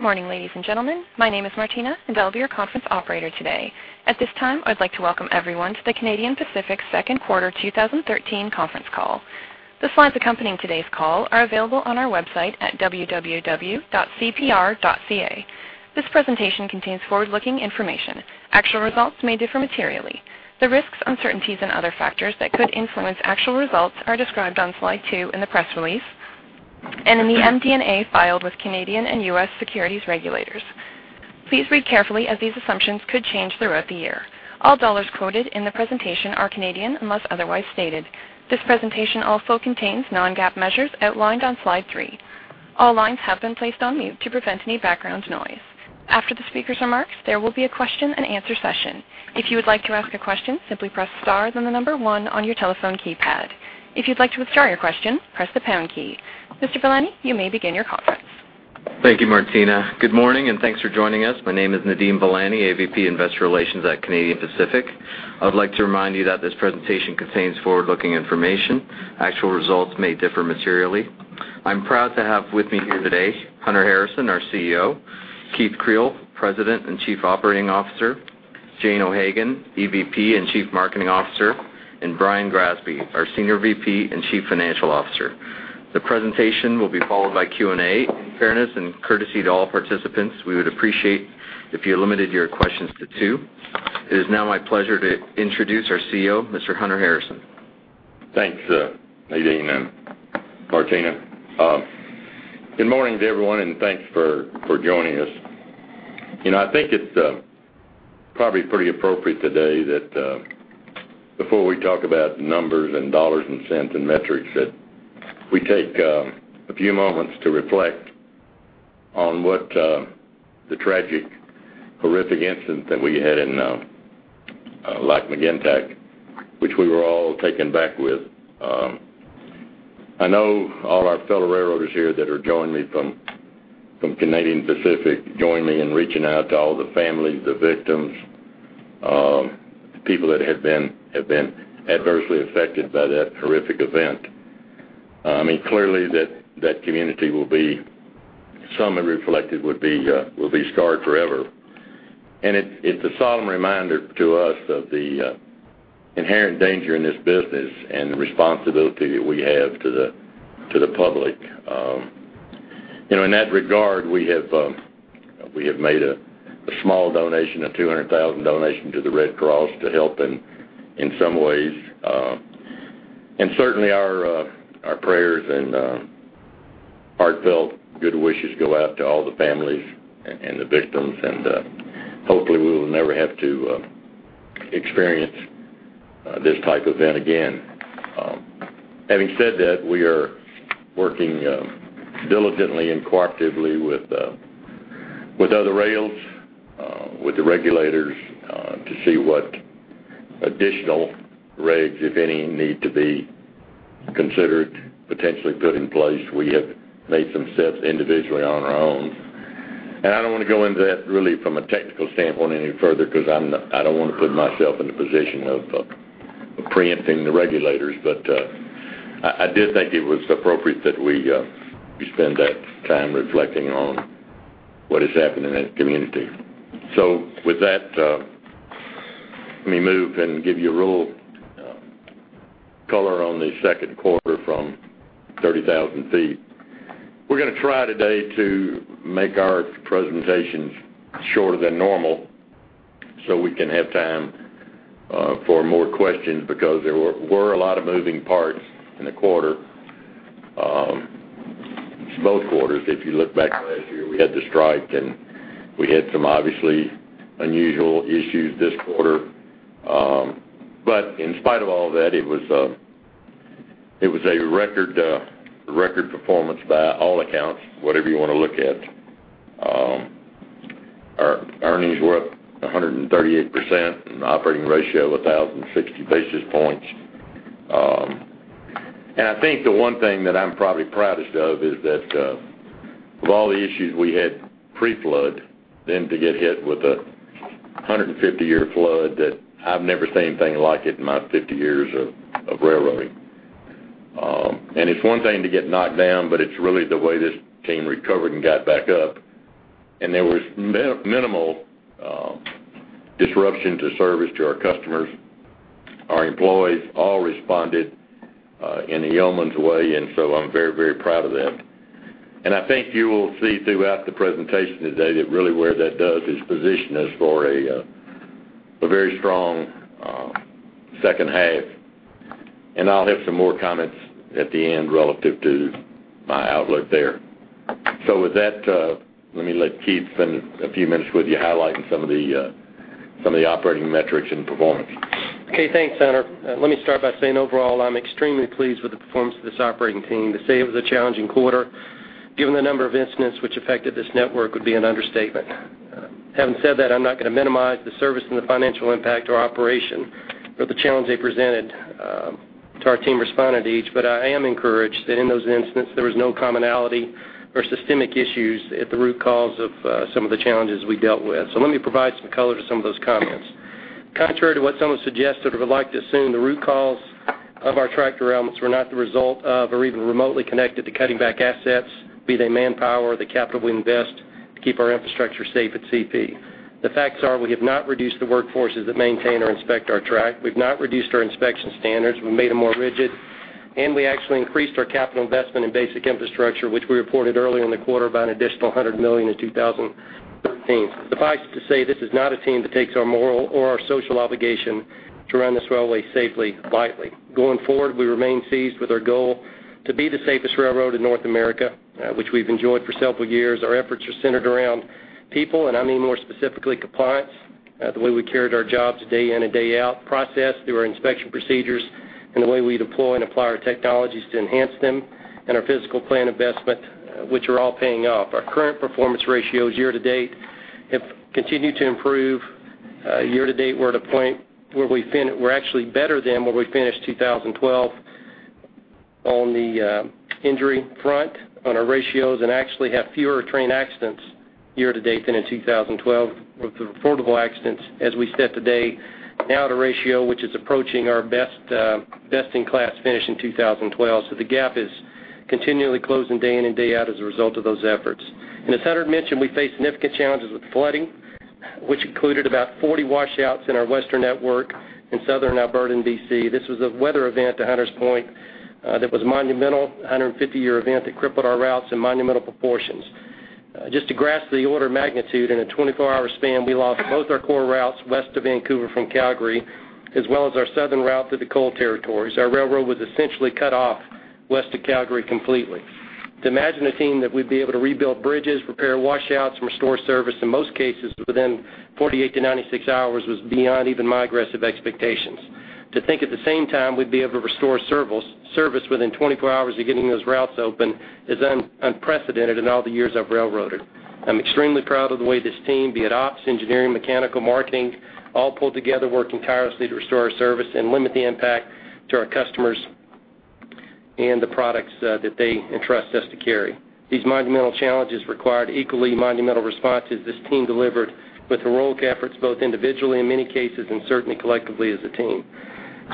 Morning, ladies and gentlemen. My name is Martina, and I'll be your conference operator today. At this time, I'd like to welcome everyone to the Canadian Pacific Second Quarter 2013 conference call. The slides accompanying today's call are available on our website at www.cpr.ca. This presentation contains forward-looking information. Actual results may differ materially. The risks, uncertainties, and other factors that could influence actual results are described on slide two in the press release, and in the MD&A filed with Canadian and U.S. securities regulators. Please read carefully, as these assumptions could change throughout the year. All dollars quoted in the presentation are Canadian, unless otherwise stated. This presentation also contains non-GAAP measures outlined on slide three. All lines have been placed on mute to prevent any background noise. After the speaker's remarks, there will be a question-and-answer session. If you would like to ask a question, simply press *, then the number 1 on your telephone keypad. If you'd like to withdraw your question, press the # key. Mr. Velani, you may begin your conference. Thank you, Martina. Good morning, and thanks for joining us. My name is Nadeem Velani, AVP, Investor Relations at Canadian Pacific. I'd like to remind you that this presentation contains forward-looking information. Actual results may differ materially. I'm proud to have with me here today, Hunter Harrison, our CEO; Keith Creel, President and Chief Operating Officer; Jane O'Hagan, EVP and Chief Marketing Officer; and Brian Grassby, our Senior VP and Chief Financial Officer. The presentation will be followed by Q&A. In fairness and courtesy to all participants, we would appreciate if you limited your questions to two. It is now my pleasure to introduce our CEO, Mr. Hunter Harrison. Thanks, Nadeem and Martina. Good morning to everyone, and thanks for joining us. You know, I think it's probably pretty appropriate today that, before we talk about numbers and dollars and cents and metrics, that we take a few moments to reflect on what the tragic, horrific incident that we had in Lac-Mégantic, which we were all taken back with. I know all our fellow railroaders here that are joining me from Canadian Pacific, join me in reaching out to all the families, the victims, the people that have been adversely affected by that horrific event. I mean, clearly, that community will be, some have reflected, would be, will be scarred forever. And it's a solemn reminder to us of the inherent danger in this business and the responsibility that we have to the public. You know, in that regard, we have made a small donation, a $200,000 donation to the Red Cross to help in some ways. And certainly our prayers and heartfelt good wishes go out to all the families and the victims, and hopefully, we will never have to experience this type of event again. Having said that, we are working diligently and cooperatively with other rails, with the regulators, to see what additional regs, if any, need to be considered, potentially put in place. We have made some steps individually on our own. I don't wanna go into that really from a technical standpoint any further, 'cause I'm not—I don't wanna put myself in the position of preempting the regulators. But I did think it was appropriate that we spend that time reflecting on what has happened in that community. With that, let me move and give you a real color on the second quarter from 30,000 feet. We're gonna try today to make our presentations shorter than normal, so, we can have time for more questions, because there were a lot of moving parts in the quarter. Both quarters, if you look back last year, we had the strike, and we had some obviously unusual issues this quarter. But in spite of all that, it was a record performance by all accounts, whatever you wanna look at. Our earnings were up 138%, and operating ratio 1,060 basis points. And I think the one thing that I'm probably proudest of is that, with all the issues we had pre-flood, then to get hit with a 150-year flood, that I've never seen anything like it in my 50 years of railroading. And it's one thing to get knocked down, but it's really the way this team recovered and got back up, and there was minimal disruption to service to our customers. Our employees all responded in a yeoman's way, and so I'm very, very proud of them. And I think you will see throughout the presentation today that really where that does is position us for a, a very strong, second half, and I'll have some more comments at the end relative to my outlook there. So, with that, let me let Keith spend a few minutes with you, highlighting some of the, some of the operating metrics and performance. Okay, thanks, Hunter. Let me start by saying, overall, I'm extremely pleased with the performance of this operating team. To say it was a challenging quarter, given the number of incidents which affected this network, would be an understatement. Having said that, I'm not gonna minimize the service and the financial impact to our operation, or the challenge they presented to our team responding to each. But I am encouraged that in those incidents, there was no commonality or systemic issues at the root cause of some of the challenges we dealt with. So, let me provide some color to some of those comments. Contrary to what someone suggested or would like to assume, the root cause of our track derailments was not the result of or even remotely connected to cutting back assets, be they manpower or the capital we invest to keep our infrastructure safe at CP. The facts are, we have not reduced the workforces that maintain or inspect our track. We've not reduced our inspection standards, we've made them more rigid, and we actually increased our capital investment in basic infrastructure, which we reported earlier in the quarter, by an additional $100 million in 2013. Suffice it to say, this is not a team that takes our moral or our social obligation to run this railway safely lightly. Going forward, we remain seized with our goal to be the safest railroad in North America, which we've enjoyed for several years. Our efforts are centered around people, and I mean more specifically, compliance, the way we carry out our jobs day in and day out, processed through our inspection procedures, and the way we deploy and apply our technologies to enhance them, and our physical plant investment, which are all paying off. Our current performance ratios year to date have continued to improve. Year to date, we're actually better than where we finished 2012 on the injury front on our ratios and actually have fewer train accidents year to date than in 2012, with the reportable accidents, as we said today, now at a ratio which is approaching our best-in-class finish in 2012. So, the gap is continually closing day in and day out as a result of those efforts. And as Hunter mentioned, we face significant challenges with flooding, which included about 40 washouts in our western network in southern Alberta and BC. This was a weather event, to Hunter's point, that was monumental, a 150-year event that crippled our routes in monumental proportions. Just to grasp the order of magnitude, in a 24-hour span, we lost both our core routes west of Vancouver from Calgary, as well as our southern route through the coal territories. Our railroad was essentially cut off west of Calgary completely. To imagine a team that we'd be able to rebuild bridges, repair washouts, restore service, in most cases, within 48-96 hours, was beyond even my aggressive expectations. To think at the same time we'd be able to restore service within 24 hours of getting those routes open is unprecedented in all the years I've railroaded. I'm extremely proud of the way this team, be it ops, engineering, mechanical, marketing, all pulled together, working tirelessly to restore our service and limit the impact to our customers and the products that they entrust us to carry. These monumental challenges required equally monumental responses this team delivered with heroic efforts, both individually in many cases, and certainly collectively as a team.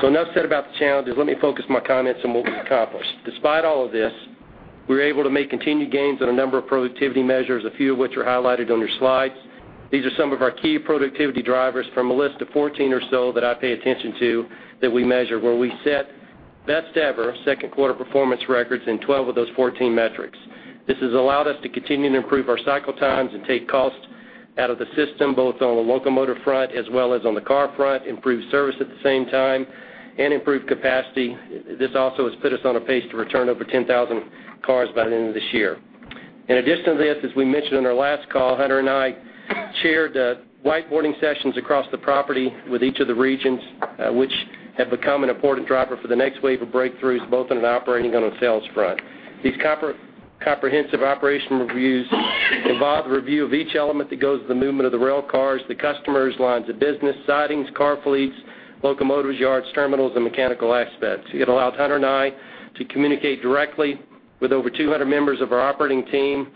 So, enough said about the challenges. Let me focus my comments on what we've accomplished. Despite all of this, we were able to make continued gains on a number of productivity measures, a few of which are highlighted on your slides. These are some of our key productivity drivers from a list of 14 or so, that I pay attention to, that we measure, where we set best-ever second quarter performance records in 12 of those 14 metrics. This has allowed us to continue to improve our cycle times and take costs out of the system, both on the locomotive front as well as on the car front, improve service at the same time, and improve capacity. This also has put us on a pace to return over 10,000 cars by the end of this year. In addition to this, as we mentioned on our last call, Hunter and I chaired whiteboarding sessions across the property with each of the regions, which have become an important driver for the next wave of breakthroughs, both on an operating and on a sales front. These comprehensive operational reviews involve a review of each element that goes with the movement of the rail cars, the customers, lines of business, sidings, car fleets, locomotives, yards, terminals, and mechanical aspects. It allowed Hunter and I to communicate directly with over 200 members of our operating team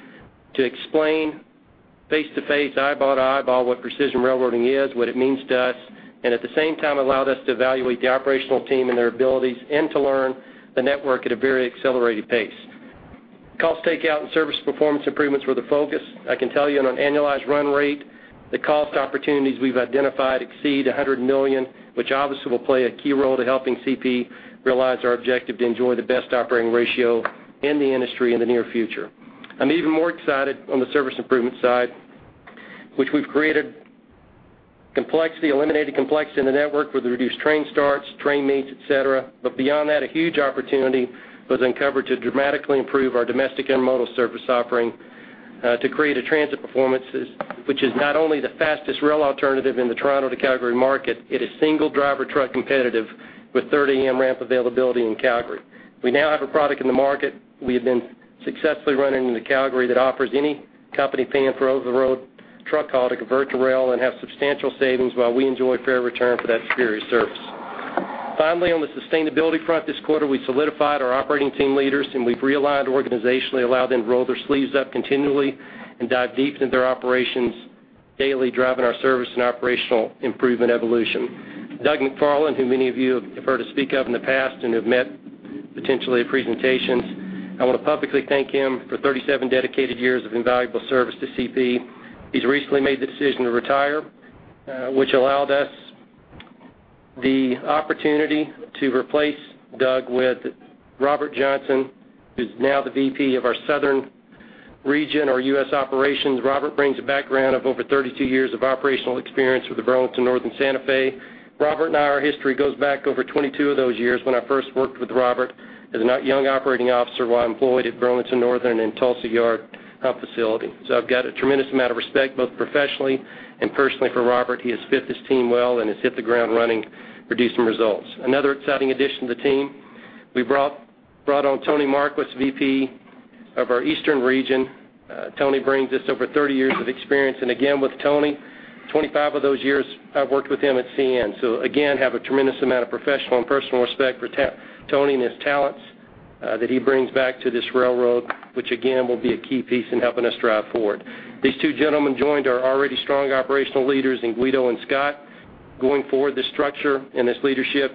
to explain face-to-face, eyeball-to-eyeball, what Precision Railroading is, what it means to us, and at the same time, allowed us to evaluate the operational team and their abilities, and to learn the network at a very accelerated pace. Cost takeout and service performance improvements were the focus. I can tell you, on an annualized run rate, the cost opportunities we've identified exceed $100 million, which obviously will play a key role to helping CP realize our objective to enjoy the best operating ratio in the industry in the near future. I'm even more excited on the service improvement side, which we've created complexity, eliminated complexity in the network with the reduced train starts, train meets, et cetera. But beyond that, a huge opportunity was uncovered to dramatically improve our domestic and modal service offering, to create a transit performance, which is not only the fastest rail alternative in the Toronto to Calgary market, it is single driver truck competitive with 3 A.M. ramp availability in Calgary. We now have a product in the market we have been successfully running into Calgary that offers any company paying for over-the-road truck haul to convert to rail and have substantial savings while we enjoy fair return for that superior service. Finally, on the sustainability front, this quarter, we solidified our operating team leaders, and we've realigned organizationally, allowed them to roll their sleeves up continually and dive deep into their operations daily, driving our service and operational improvement evolution. Doug McFarlane, who many of you have heard us speak of in the past and have met potentially at presentations, I want to publicly thank him for 37 dedicated years of invaluable service to CP. He's recently made the decision to retire, which allowed us the opportunity to replace Doug with Robert Johnson, who's now the VP of our southern region, our U.S. operations. Robert brings a background of over 32 years of operational experience with the Burlington Northern Santa Fe. Robert and I, our history goes back over 22 of those years when I first worked with Robert as a young operating officer while employed at Burlington Northern in Tulsa Yard, facility. So, I've got a tremendous amount of respect, both professionally and personally, for Robert. He has fit this team well and has hit the ground running, producing results. Another exciting addition to the team, we brought on Tony Marquis, VP of our eastern region. Tony brings us over 30 years of experience, and again, with Tony, 25 of those years I've worked with him at CN. So again, have a tremendous amount of professional and personal respect for Tony and his talents that he brings back to this railroad, which again, will be a key piece in helping us drive forward. These two gentlemen joined our already strong operational leaders in Guido and Scott. Going forward, this structure and this leadership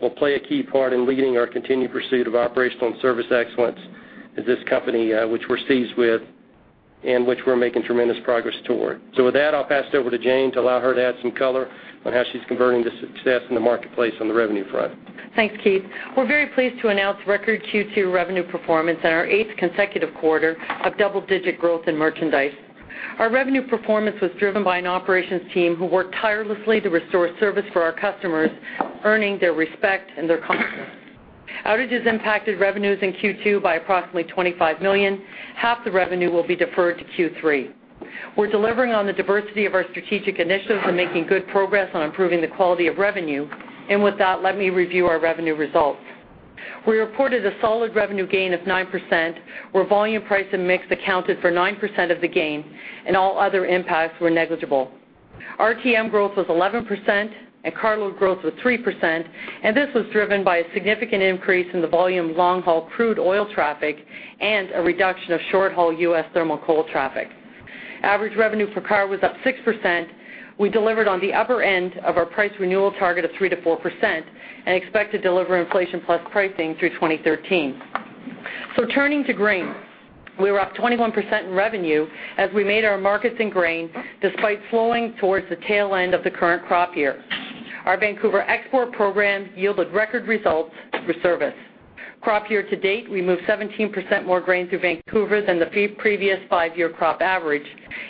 will play a key part in leading our continued pursuit of operational and service excellence in this company, which we're seized with and which we're making tremendous progress toward. With that, I'll pass it over to Jane to allow her to add some color on how she's converting this success in the marketplace on the revenue front. Thanks, Keith. We're very pleased to announce record Q2 revenue performance and our eighth consecutive quarter of double-digit growth in merchandise. Our revenue performance was driven by an operations team who worked tirelessly to restore service for our customers, earning their respect and their confidence. Outages impacted revenues in Q2 by approximately 25 million. Half the revenue will be deferred to Q3. We're delivering on the diversity of our strategic initiatives and making good progress on improving the quality of revenue. And with that, let me review our revenue results. We reported a solid revenue gain of 9%, where volume, price, and mix accounted for 9% of the gain, and all other impacts were negligible. RTM growth was 11%, and carload growth was 3%, and this was driven by a significant increase in the volume of long-haul crude oil traffic and a reduction of short-haul U.S. thermal coal traffic. Average revenue per car was up 6%. We delivered on the upper end of our price renewal target of 3%-4% and expect to deliver inflation plus pricing through 2013. Turning to grain, we were up 21% in revenue as we made our markets in grain, despite slowing towards the tail end of the current crop year. Our Vancouver export program yielded record results for service. Crop year to date, we moved 17% more grain through Vancouver than the pre-previous 5-year crop average,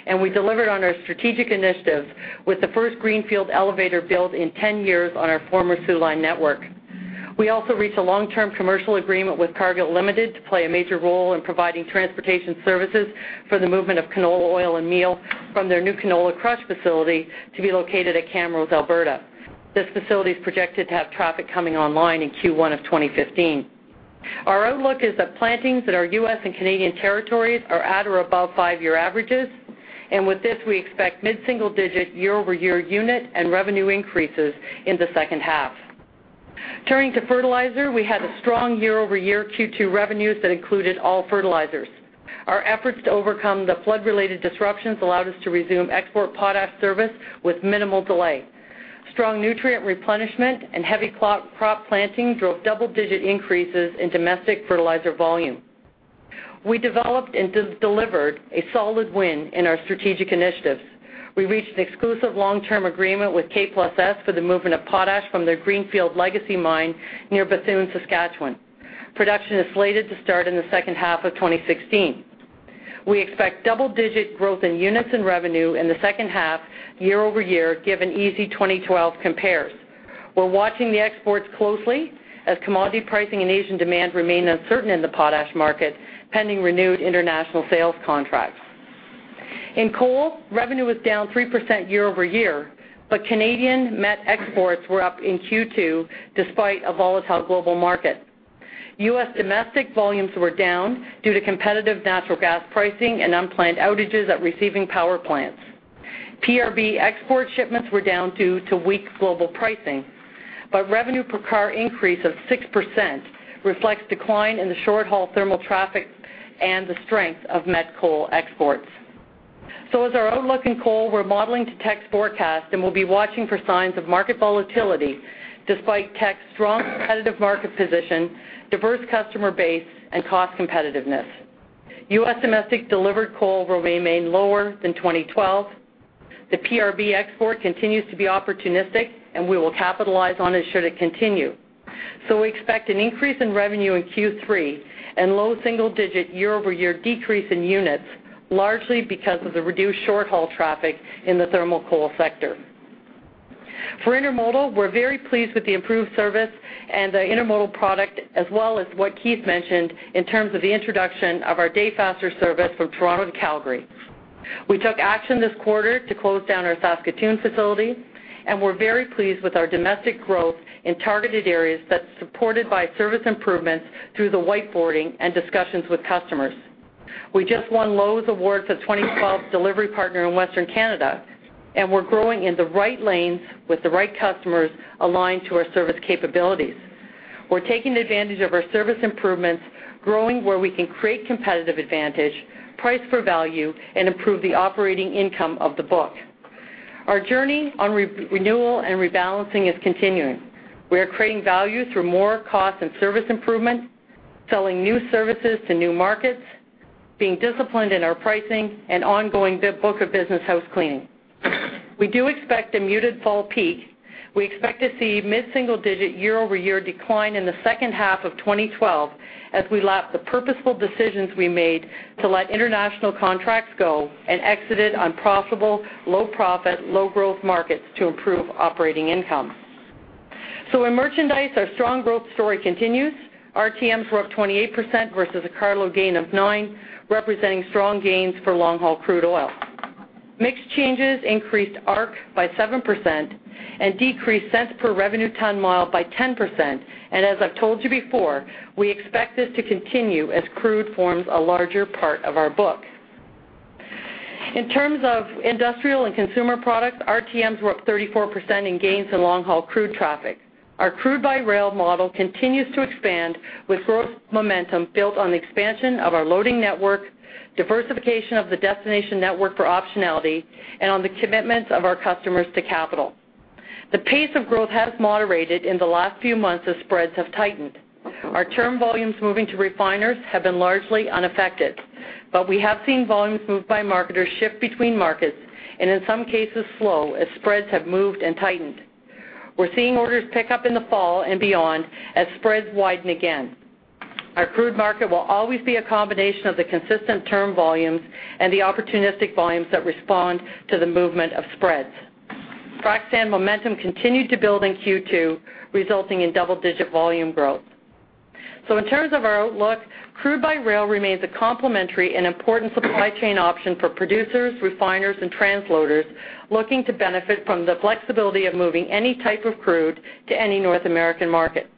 and we delivered on our strategic initiatives with the first greenfield elevator built in 10 years on our former Soo Line network. We also reached a long-term commercial agreement with Cargill Limited to play a major role in providing transportation services for the movement of canola oil and meal from their new canola crush facility to be located at Camrose, Alberta. This facility is projected to have traffic coming online in Q1 of 2015. Our outlook is that plantings in our U.S. and Canadian territories are at or above five-year averages, and with this, we expect mid-single-digit year-over-year unit and revenue increases in the second half. Turning to fertilizer, we had a strong year-over-year Q2 revenues that included all fertilizers. Our efforts to overcome the flood-related disruptions allowed us to resume export potash service with minimal delay. Strong nutrient replenishment and heavy crop planting drove double-digit increases in domestic fertilizer volume. We developed and delivered a solid win in our strategic initiatives. We reached an exclusive long-term agreement with K+S for the movement of potash from their greenfield Legacy mine near Bethune, Saskatchewan. Production is slated to start in the second half of 2016. We expect double-digit growth in units and revenue in the second half year-over-year, given easy 2012 compares. We're watching the exports closely as commodity pricing and Asian demand remain uncertain in the potash market, pending renewed international sales contracts. In coal, revenue was down 3% year-over-year, but Canadian met exports were up in Q2, despite a volatile global market. U.S. domestic volumes were down due to competitive natural gas pricing and unplanned outages at receiving power plants. PRB export shipments were down due to weak global pricing, but revenue per car increase of 6% reflects decline in the short-haul thermal traffic and the strength of met coal exports. So, as our outlook in coal, we're modeling to Teck's forecast, and we'll be watching for signs of market volatility despite Teck's strong competitive market position, diverse customer base, and cost competitiveness. U.S. domestic delivered coal will remain lower than 2012. The PRB export continues to be opportunistic, and we will capitalize on it should it continue. So, we expect an increase in revenue in Q3 and low single-digit year-over-year decrease in units, largely because of the reduced short-haul traffic in the thermal coal sector. For intermodal, we're very pleased with the improved service and the intermodal product, as well as what Keith mentioned in terms of the introduction of our day faster service from Toronto to Calgary. We took action this quarter to close down our Saskatoon facility, and we're very pleased with our domestic growth in targeted areas that's supported by service improvements through the whiteboarding and discussions with customers. We just won Lowe's award for 2012 Delivery Partner in Western Canada, and we're growing in the right lanes with the right customers aligned to our service capabilities. We're taking advantage of our service improvements, growing where we can create competitive advantage, price for value, and improve the operating income of the book. Our journey on renewal and rebalancing is continuing. We are creating value through more cost and service improvements, selling new services to new markets, being disciplined in our pricing, and ongoing book of business housecleaning. We do expect a muted fall peak. We expect to see mid-single-digit year-over-year decline in the second half of 2012, as we lap the purposeful decisions, we made to let international contracts go and exited unprofitable, low profit, low growth markets to improve operating income. So, in merchandise, our strong growth story continues. RTMs were up 28% versus a carload gain of 9, representing strong gains for long-haul crude oil. Mix changes increased ARC by 7% and decreased cents per revenue ton mile by 10%, and as I've told you before, we expect this to continue as crude forms a larger part of our book.... In terms of industrial and consumer products, RTMs were up 34% in gains in long-haul crude traffic. Our crude by rail model continues to expand, with growth momentum built on the expansion of our loading network, diversification of the destination network for optionality, and on the commitments of our customers to capital. The pace of growth has moderated in the last few months as spreads have tightened. Our term volumes moving to refiners have been largely unaffected, but we have seen volumes moved by marketers shift between markets, and in some cases, slow as spreads have moved and tightened. We're seeing orders pick up in the fall and beyond as spreads widen again. Our crude market will always be a combination of the consistent term volumes and the opportunistic volumes that respond to the movement of spreads. Frac sand momentum continued to build in Q2, resulting in double-digit volume growth. So, in terms of our outlook, crude by rail remains a complementary and important supply chain option for producers, refiners, and transloaders looking to benefit from the flexibility of moving any type of crude to any North American market.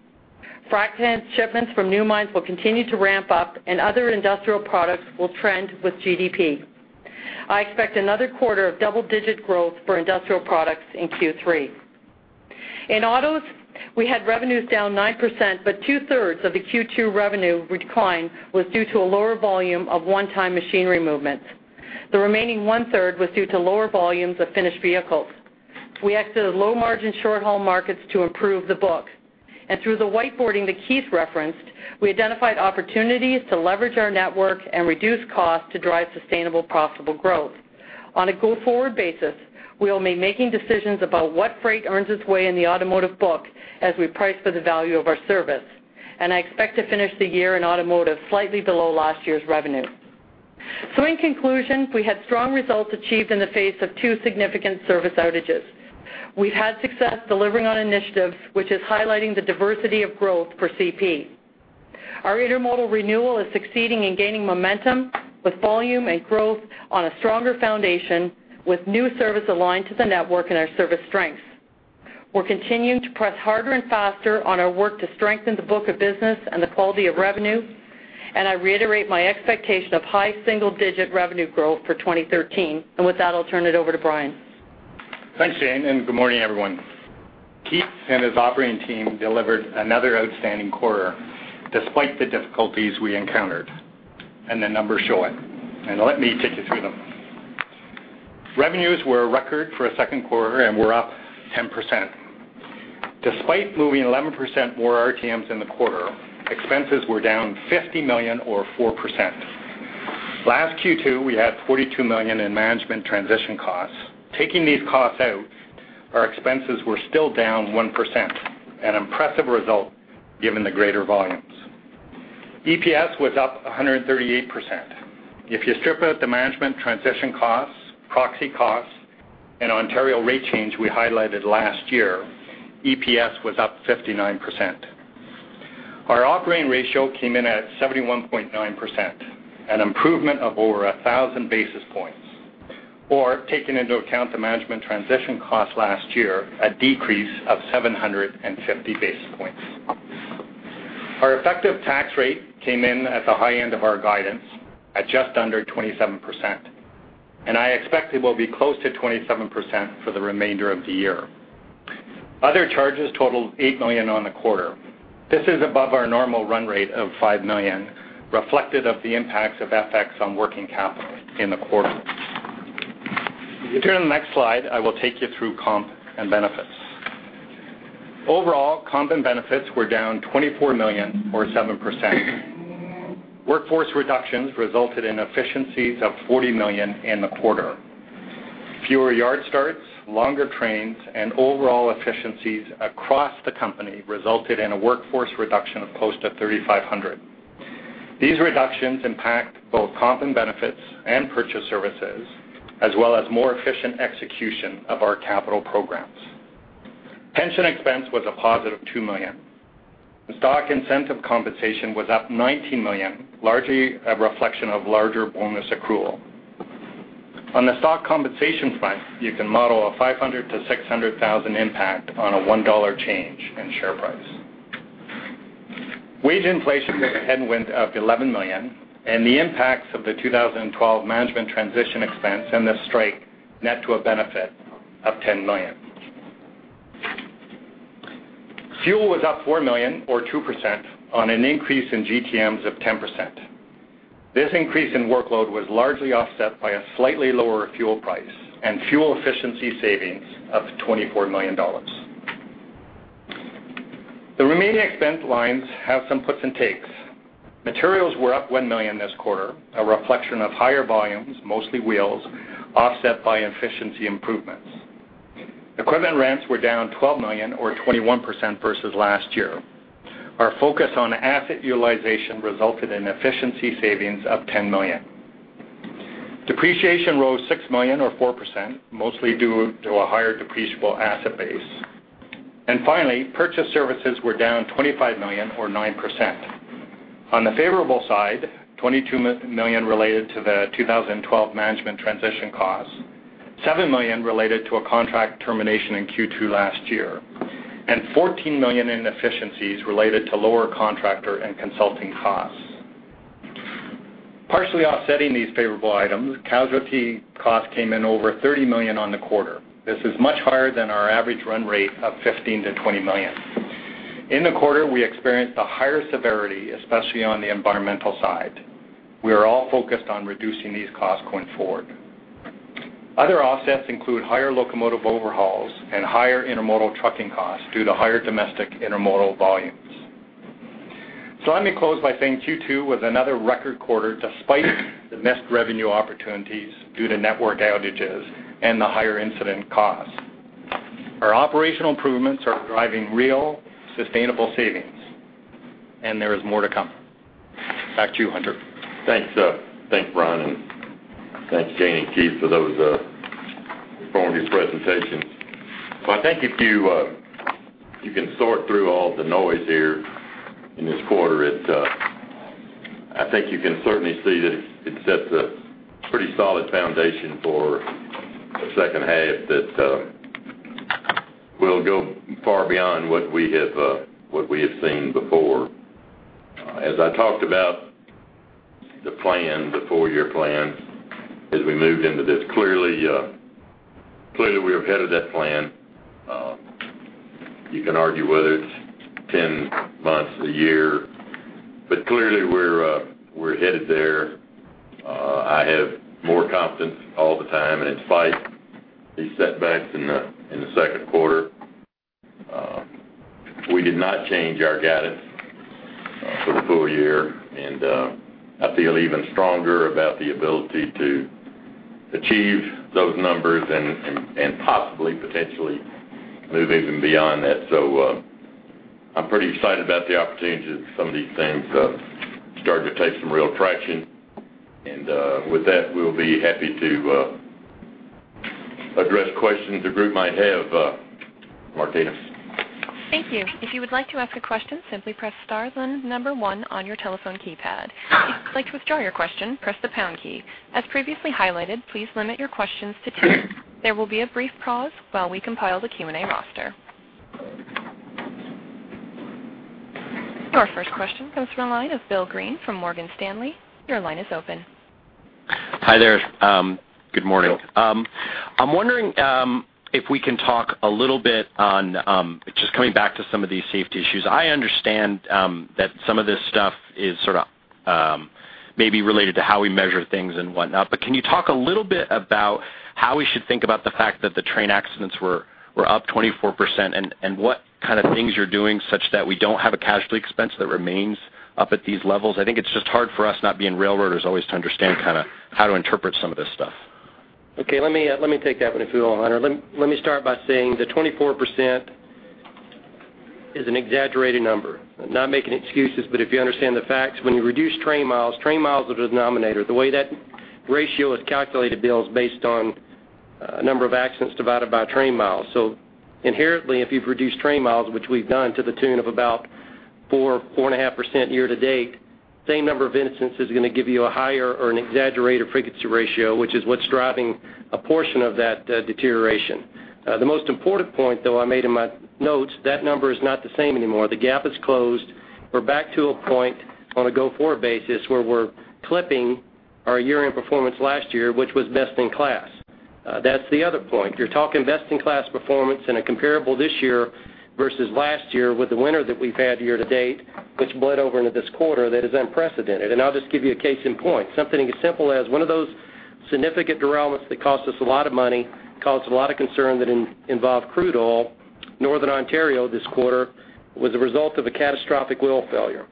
Frac sand shipments from new mines will continue to ramp up, and other industrial products will trend with GDP. I expect another quarter of double-digit growth for industrial products in Q3. In autos, we had revenues down 9%, but two-thirds of the Q2 revenue decline was due to a lower volume of one-time machinery movements. The remaining one-third was due to lower volumes of finished vehicles. We exited low-margin, short-haul markets to improve the book, and through the whiteboarding that Keith referenced, we identified opportunities to leverage our network and reduce costs to drive sustainable, profitable growth. On a go-forward basis, we will be making decisions about what freight earns its way in the automotive book as we price for the value of our service, and I expect to finish the year in automotive slightly below last year's revenue. So, in conclusion, we had strong results achieved in the face of two significant service outages. We've had success delivering on initiatives, which is highlighting the diversity of growth for CP. Our intermodal renewal is succeeding and gaining momentum, with volume and growth on a stronger foundation, with new service aligned to the network and our service strengths. We're continuing to press harder and faster on our work to strengthen the book of business and the quality of revenue, and I reiterate my expectation of high single-digit revenue growth for 2013. And with that, I'll turn it over to Brian. Thanks, Jane, and good morning, everyone. Keith and his operating team delivered another outstanding quarter, despite the difficulties we encountered, and the numbers show it, and let me take you through them. Revenues were a record for a second quarter and were up 10%. Despite moving 11% more RTMs in the quarter, expenses were down 50 million or 4%. Last Q2, we had 42 million in management transition costs. Taking these costs out, our expenses were still down 1%, an impressive result given the greater volumes. EPS was up 138%. If you strip out the management transition costs, proxy costs, and Ontario rate change we highlighted last year, EPS was up 59%. Our operating ratio came in at 71.9%, an improvement of over 1,000 basis points, or taking into account the management transition costs last year, a decrease of 750 basis points. Our effective tax rate came in at the high end of our guidance at just under 27%, and I expect it will be close to 27% for the remainder of the year. Other charges totaled 8 million on the quarter. This is above our normal run rate of 5 million, reflective of the impacts of FX on working capital in the quarter. If you turn to the next slide, I will take you through comp and benefits. Overall, comp and benefits were down 24 million, or 7%. Workforce reductions resulted in efficiencies of 40 million in the quarter. Fewer yard starts, longer trains, and overall efficiencies across the company resulted in a workforce reduction of close to 3,500. These reductions impact both comp and benefits and purchase services, as well as more efficient execution of our capital programs. Pension expense was a positive $2 million. The stock incentive compensation was up $19 million, largely a reflection of larger bonus accrual. On the stock compensation front, you can model a $500,000-$600,000 impact on a $1 change in share price. Wage inflation was a headwind of $11 million, and the impacts of the 2012 management transition expense and the strike net to a benefit of $10 million. Fuel was up $4 million, or 2%, on an increase in GTMs of 10%. This increase in workload was largely offset by a slightly lower fuel price and fuel efficiency savings of 24 million dollars. The remaining expense lines have some puts and takes. Materials were up 1 million this quarter, a reflection of higher volumes, mostly wheels, offset by efficiency improvements. Equipment rents were down 12 million or 21% versus last year. Our focus on asset utilization resulted in efficiency savings of 10 million. Depreciation rose 6 million or 4%, mostly due to a higher depreciable asset base. And finally, purchased services were down 25 million or 9%. On the favorable side, 22 million related to the 2012 management transition costs. ... $7 million related to a contract termination in Q2 last year, and $14 million in efficiencies related to lower contractor and consulting costs. Partially offsetting these favorable items, casualty costs came in over $30 million on the quarter. This is much higher than our average run rate of $15 million-$20 million. In the quarter, we experienced a higher severity, especially on the environmental side. We are all focused on reducing these costs going forward. Other offsets include higher locomotive overhauls and higher intermodal trucking costs due to higher domestic intermodal volumes. So, let me close by saying Q2 was another record quarter despite the missed revenue opportunities due to network outages and the higher incident costs. Our operational improvements are driving real, sustainable savings, and there is more to come. Back to you, Hunter. Thanks, thanks, Brian, and thanks, Jane and Keith, for those informative presentations. Well, I think if you, you can sort through all the noise here in this quarter, it, I think you can certainly see that it sets a pretty solid foundation for the second half that will go far beyond what we have, what we have seen before. As I talked about the plan, the 4-year plan, as we moved into this, clearly, clearly, we're ahead of that plan. You can argue whether it's 10 months, a year, but clearly, we're, we're headed there. I have more confidence all the time, and despite these setbacks in the second quarter, we did not change our guidance for the full year, and I feel even stronger about the ability to achieve those numbers and possibly potentially move even beyond that. So, I'm pretty excited about the opportunity that some of these things started to take some real traction. And with that, we'll be happy to address questions the group might have. Martina? Thank you. If you would like to ask a question, simply press star, then 1 on your telephone keypad. If you'd like to withdraw your question, press the pound key. As previously highlighted, please limit your questions to 10. There will be a brief pause while we compile the Q&A roster. Our first question comes from the line of Bill Green from Morgan Stanley. Your line is open. Hi there. Good morning. I'm wondering if we can talk a little bit on just coming back to some of these safety issues. I understand that some of this stuff is sort of maybe related to how we measure things and whatnot, but can you talk a little bit about how we should think about the fact that the train accidents were, were up 24%, and, and what kind of things you're doing such that we don't have a casualty expense that remains up at these levels? I think it's just hard for us not being railroaders always to understand kind of how to interpret some of this stuff. Okay, let me, let me take that one, if you will, Hunter. Let me, let me start by saying the 24% is an exaggerated number. I'm not making excuses, but if you understand the facts, when you reduce train miles, train miles is the denominator. The way that ratio is calculated, Bill, is based on, number of accidents divided by train miles. So, inherently, if you've reduced train miles, which we've done to the tune of about 4, 4.5% year to date, same number of instances is gonna give you a higher or an exaggerated frequency ratio, which is what's driving a portion of that, deterioration. The most important point, though, I made in my notes, that number is not the same anymore. The gap is closed. We're back to a point on a go-forward basis where we're clipping our year-end performance last year, which was best in class. That's the other point. You're talking best-in-class performance and a comparable this year versus last year with the winter that we've had year to date, which bled over into this quarter, that is unprecedented. I'll just give you a case in point. Something as simple as one of those significant derailments that cost us a lot of money, caused a lot of concern that involved crude oil, Northern Ontario this quarter, was a result of a catastrophic wheel failure.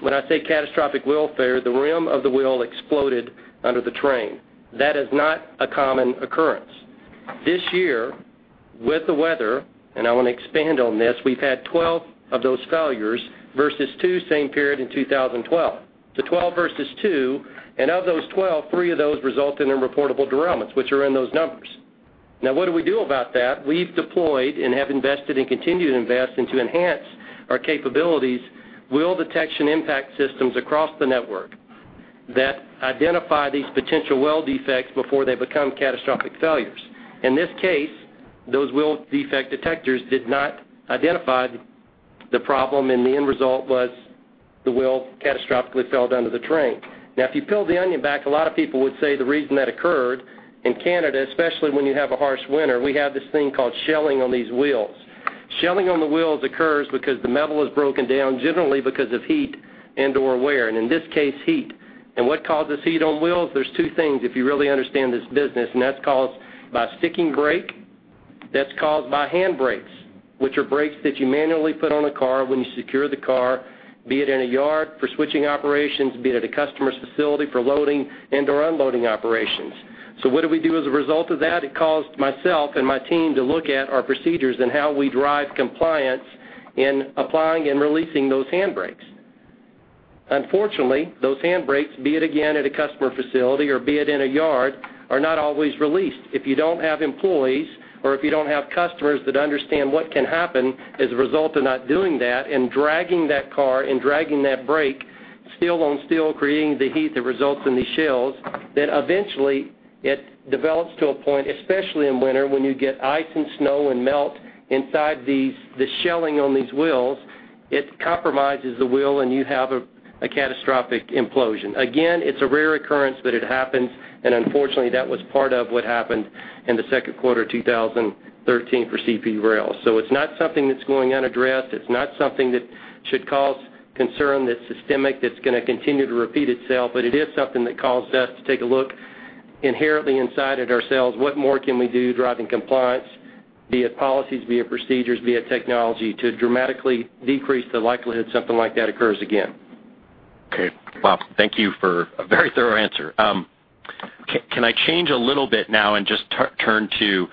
When I say catastrophic wheel failure, the rim of the wheel exploded under the train. That is not a common occurrence. This year, with the weather, and I wanna expand on this, we've had 12 of those failures versus 2 same period in 2012. The 12 versus 2, and of those 12, 3 of those resulted in reportable derailments, which are in those numbers. Now, what do we do about that? We've deployed and have invested and continue to invest and to enhance our capabilities, wheel detection impact systems across the network that identify these potential wheel defects before they become catastrophic failures. In this case, those wheel defect detectors did not identify the problem, and the end result was the wheel catastrophically failed under the train. Now, if you peel the onion back, a lot of people would say the reason that occurred in Canada, especially when you have a harsh winter, we have this thing called shelling on these wheels. Shelling on the wheels occurs because the metal is broken down, generally because of heat and/or wear, and in this case, heat. What causes heat on wheels? There's two things if you really understand this business, and that's caused by sticking brake, that's caused by hand brakes, which are brakes that you manually put on a car when you secure the car, be it in a yard for switching operations, be it at a customer's facility for loading and/or unloading operations. What did we do as a result of that? It caused myself and my team to look at our procedures and how we drive compliance in applying and releasing those hand brakes. Unfortunately, those hand brakes, be it again at a customer facility or be it in a yard, are not always released. If you don't have employees or if you don't have customers that understand what can happen as a result of not doing that and dragging that car and dragging that brake steel on steel, creating the heat that results in these shells, that eventually it develops to a point, especially in winter, when you get ice and snow and melt inside these, the shelling on these wheels, it compromises the wheel, and you have a catastrophic implosion. Again, it's a rare occurrence, but it happens, and unfortunately, that was part of what happened in the second quarter 2013 for CP Rail. So, it's not something that's going unaddressed. It's not something that should cause concern that's systemic, that's gonna continue to repeat itself, but it is something that caused us to take a look inherently inside at ourselves. What more can we do, driving compliance, be it policies, be it procedures, be it technology, to dramatically decrease the likelihood something like that occurs again? Okay, well, thank you for a very thorough answer. Can I change a little bit now and just turn to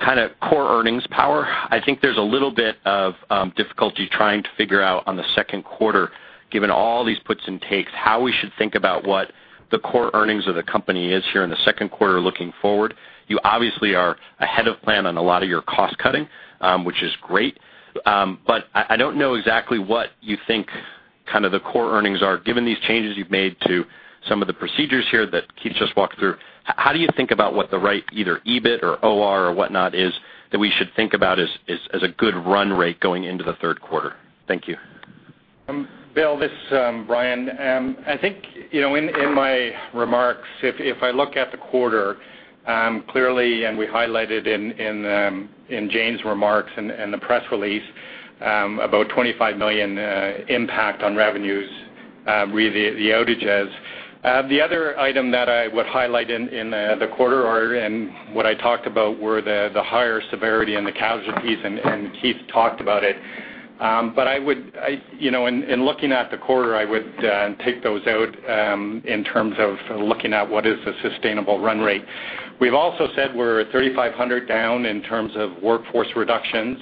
kind of core earnings power? I think there's a little bit of difficulty trying to figure out on the second quarter, given all these puts and takes, how we should think about what the core earnings of the company is here in the second quarter looking forward. You obviously are ahead of plan on a lot of your cost cutting, which is great. But I don't know exactly what you think kind of the core earnings are, given these changes you've made to some of the procedures here that Keith just walked through. How do you think about what the right, either EBIT or OR or whatnot is, that we should think about as a good run rate going into the third quarter? Thank you. Bill, this is Brian. I think, you know, in my remarks, if I look at the quarter, clearly, and we highlighted in Jane's remarks and the press release, about $25 million impact on revenues re the outages. The other item that I would highlight in the quarter or, and what I talked about were the higher severity and the casualties, and Keith talked about it. But I would, you know, in looking at the quarter, I would take those out in terms of looking at what is the sustainable run rate. We've also said we're at 3,500 down in terms of workforce reductions.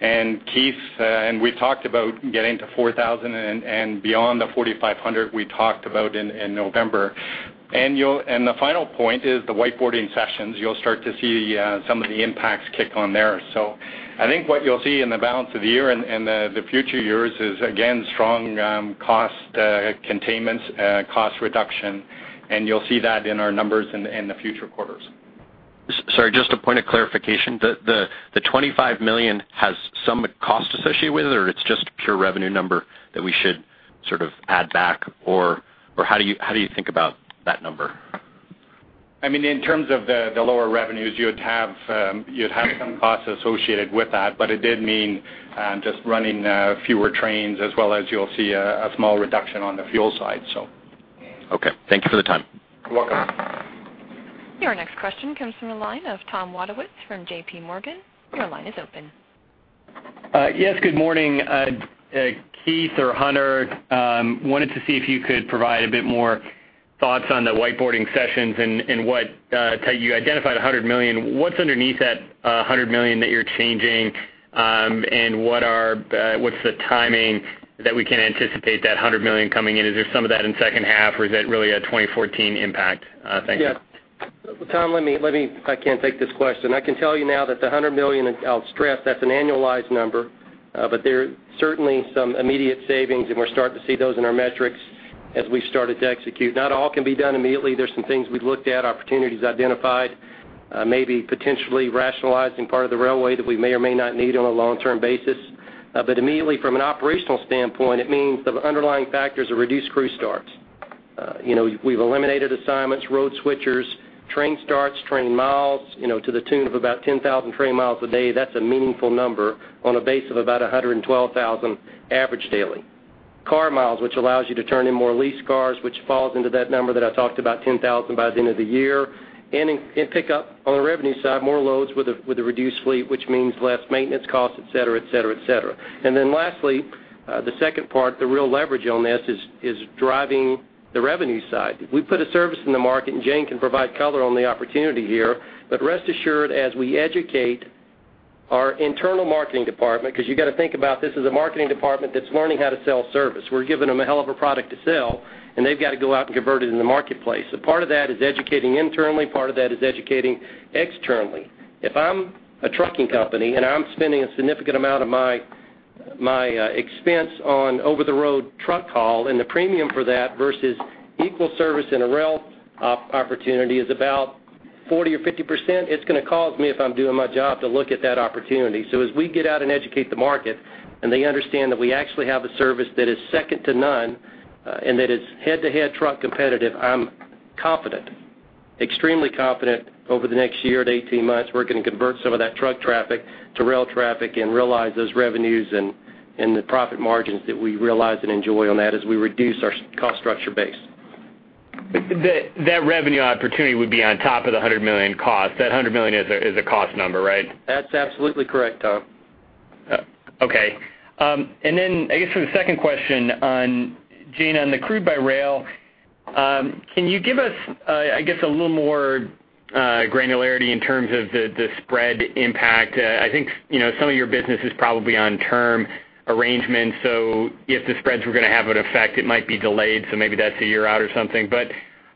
And Keith, and we talked about getting to 4,000 and beyond the 4,500 we talked about in November. And the final point is the whiteboarding sessions. You'll start to see some of the impacts kick on there. So, I think what you'll see in the balance of the year and the future years is, again, strong cost containments, cost reduction, and you'll see that in our numbers in the future quarters. Sorry, just a point of clarification. The $25 million has some cost associated with it, or it's just pure revenue number that we should sort of add back. Or how do you think about that number? I mean, in terms of the lower revenues, you'd have some costs associated with that, but it did mean just running fewer trains as well as you'll see a small reduction on the fuel side, so. Okay. Thank you for the time. You're welcome. Your next question comes from the line of Tom Wadowitz from J.P. Morgan. Your line is open. Yes, good morning. Keith or Hunter, wanted to see if you could provide a bit more thoughts on the whiteboarding sessions and what you identified 100 million. What's underneath that 100 million that you're changing, and what's the timing that we can anticipate that 100 million coming in? Is there some of that in second half, or is that really a 2014 impact? Thank you. Yes. Tom, let me, let me, I can take this question. I can tell you now that the $100 million, and I'll stress, that's an annualized number. But there are certainly some immediate savings, and we're starting to see those in our metrics as we started to execute. Not all can be done immediately. There's some things we've looked at, opportunities identified, maybe potentially rationalizing part of the railway that we may or may not need on a long-term basis. But immediately, from an operational standpoint, it means the underlying factors are reduced crew starts. You know, we've eliminated assignments, road switchers, train starts, train miles, you know, to the tune of about 10,000 train miles a day. That's a meaningful number on a base of about 112,000 average daily. Car miles, which allows you to turn in more lease cars, which falls into that number that I talked about, 10,000 by the end of the year. And in pickup on the revenue side, more loads with a reduced fleet, which means less maintenance costs, et cetera, et cetera, et cetera. And then lastly, the second part, the real leverage on this is driving the revenue side. We put a service in the market, and Jane can provide color on the opportunity here, but rest assured, as we educate our internal marketing department, because you've got to think about this as a marketing department that's learning how to sell service. We're giving them a hell of a product to sell, and they've got to go out and convert it in the marketplace. So, part of that is educating internally, part of that is educating externally. If I'm a trucking company, and I'm spending a significant amount of my expense on over-the-road truck haul, and the premium for that versus equal service in a rail op, opportunity is about 40% or 50%, it's gonna cause me, if I'm doing my job, to look at that opportunity. So, as we get out and educate the market, and they understand that we actually have a service that is second to none, and that is head-to-head truck competitive, I'm confident, extremely confident, over the next year to 18 months, we're gonna convert some of that truck traffic to rail traffic and realize those revenues and, and the profit margins that we realize and enjoy on that as we reduce our cost structure base. That, that revenue opportunity would be on top of the $100 million cost. That $100 million is a cost number, right? That's absolutely correct, Tom. Okay. And then I guess for the second question on, Jane, on the crude by rail, can you give us, I guess, a little more granularity in terms of the, the spread impact? I think, you know, some of your business is probably on term arrangements, so if the spreads were gonna have an effect, it might be delayed, so maybe that's a year out or something.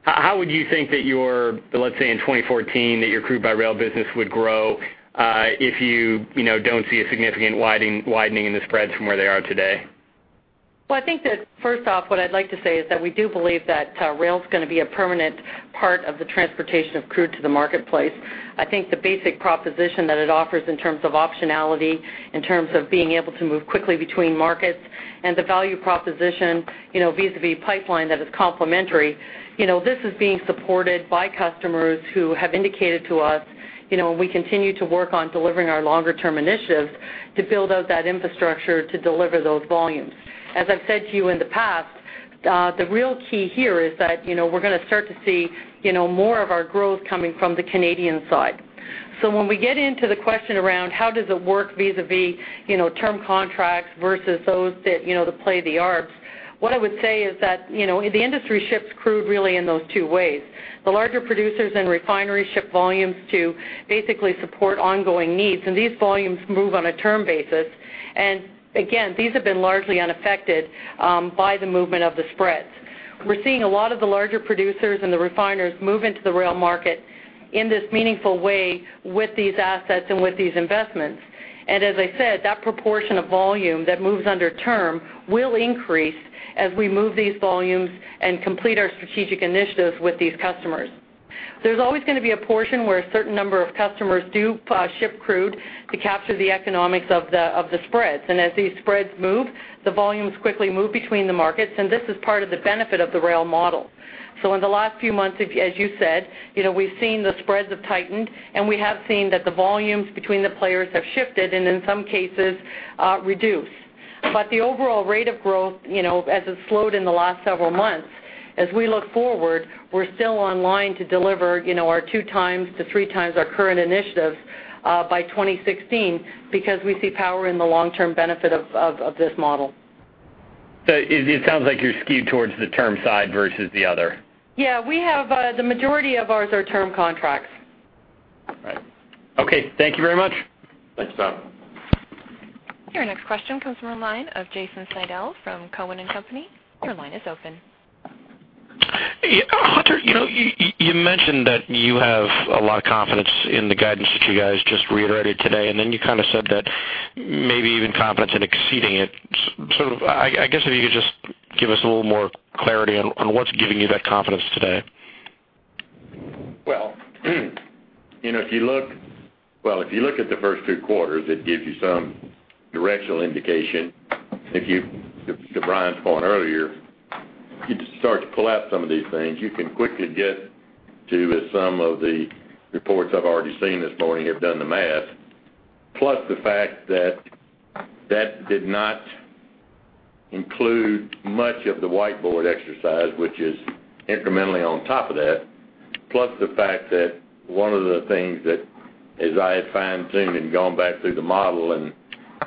How would you think that your, let's say, in 2014, that your crude by rail business would grow, if you, you know, don't see a significant widening, widening in the spreads from where they are today? Well, I think that first off, what I'd like to say is that we do believe that rail is gonna be a permanent part of the transportation of crude to the marketplace. I think the basic proposition that it offers in terms of optionality, in terms of being able to move quickly between markets and the value proposition, you know, vis-à-vis pipeline that is complementary. You know, this is being supported by customers who have indicated to us, you know, we continue to work on delivering our longer-term initiatives to build out that infrastructure to deliver those volumes. As I've said to you in the past, the real key here is that, you know, we're gonna start to see, you know, more of our growth coming from the Canadian side. So, when we get into the question around how does it work vis-à-vis, you know, term contracts versus those that, you know, that play the arbs, what I would say is that, you know, the industry ships crude really in those two ways. The larger producers and refineries ship volumes to basically support ongoing needs, and these volumes move on a term basis. And again, these have been largely unaffected by the movement of the spreads. We're seeing a lot of the larger producers and the refiners move into the rail market in this meaningful way with these assets and with these investments. And as I said that proportion of volume that moves under term will increase as we move these volumes and complete our strategic initiatives with these customers. There's always gonna be a portion where a certain number of customers do ship crude to capture the economics of the spreads. And as these spreads move, the volumes quickly move between the markets, and this is part of the benefit of the rail model. So, in the last few months, as you said, you know, we've seen the spreads have tightened, and we have seen that the volumes between the players have shifted and, in some cases, reduced. But the overall rate of growth, you know, as it slowed in the last several months, as we look forward, we're still online to deliver, you know, our 2x to 3x our current initiatives by 2016 because we see power in the long-term benefit of this model. So, it sounds like you're skewed towards the term side versus the other? Yeah, we have, the majority of ours are term contracts. Right. Okay, thank you very much. Thanks, Tom. Your next question comes from the line of Jason Seidel from Cowen and Company. Your line is open. Yeah, Hunter, you know, you mentioned that you have a lot of confidence in the guidance that you guys just reiterated today, and then you kind of said that maybe even confidence in exceeding it. So, I guess, if you could just give us a little more clarity on what's giving you that confidence today? Well, you know, if you look - well, if you look at the first two quarters, it gives you some directional indication. If you - to, to Brian's point earlier, you start to pull out some of these things, you can quickly get to some of the reports I've already seen this morning have done the math, plus the fact that, that did not include much of the whiteboard exercise, which is incrementally on top of that, plus the fact that one of the things that as I had fine-tuned and gone back through the model and,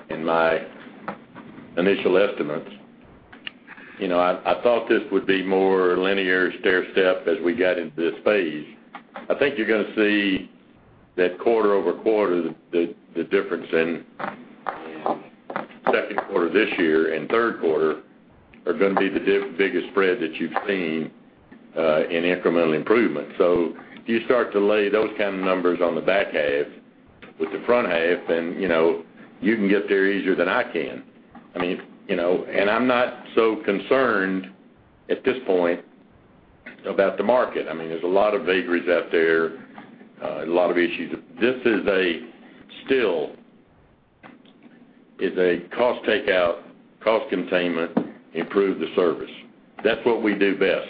and my initial estimates, you know, I, I thought this would be more linear stairstep as we got into this phase. I think you're gonna see that quarter over quarter, the difference in second quarter this year and third quarter are gonna be the biggest spread that you've seen in incremental improvement. So, if you start to lay those kinds of numbers on the back half with the front half, then, you know, you can get there easier than I can. I mean, you know, and I'm not so concerned at this point about the market. I mean, there's a lot of vagaries out there, a lot of issues. This is still a cost takeout, cost containment, improve the service. That's what we do best.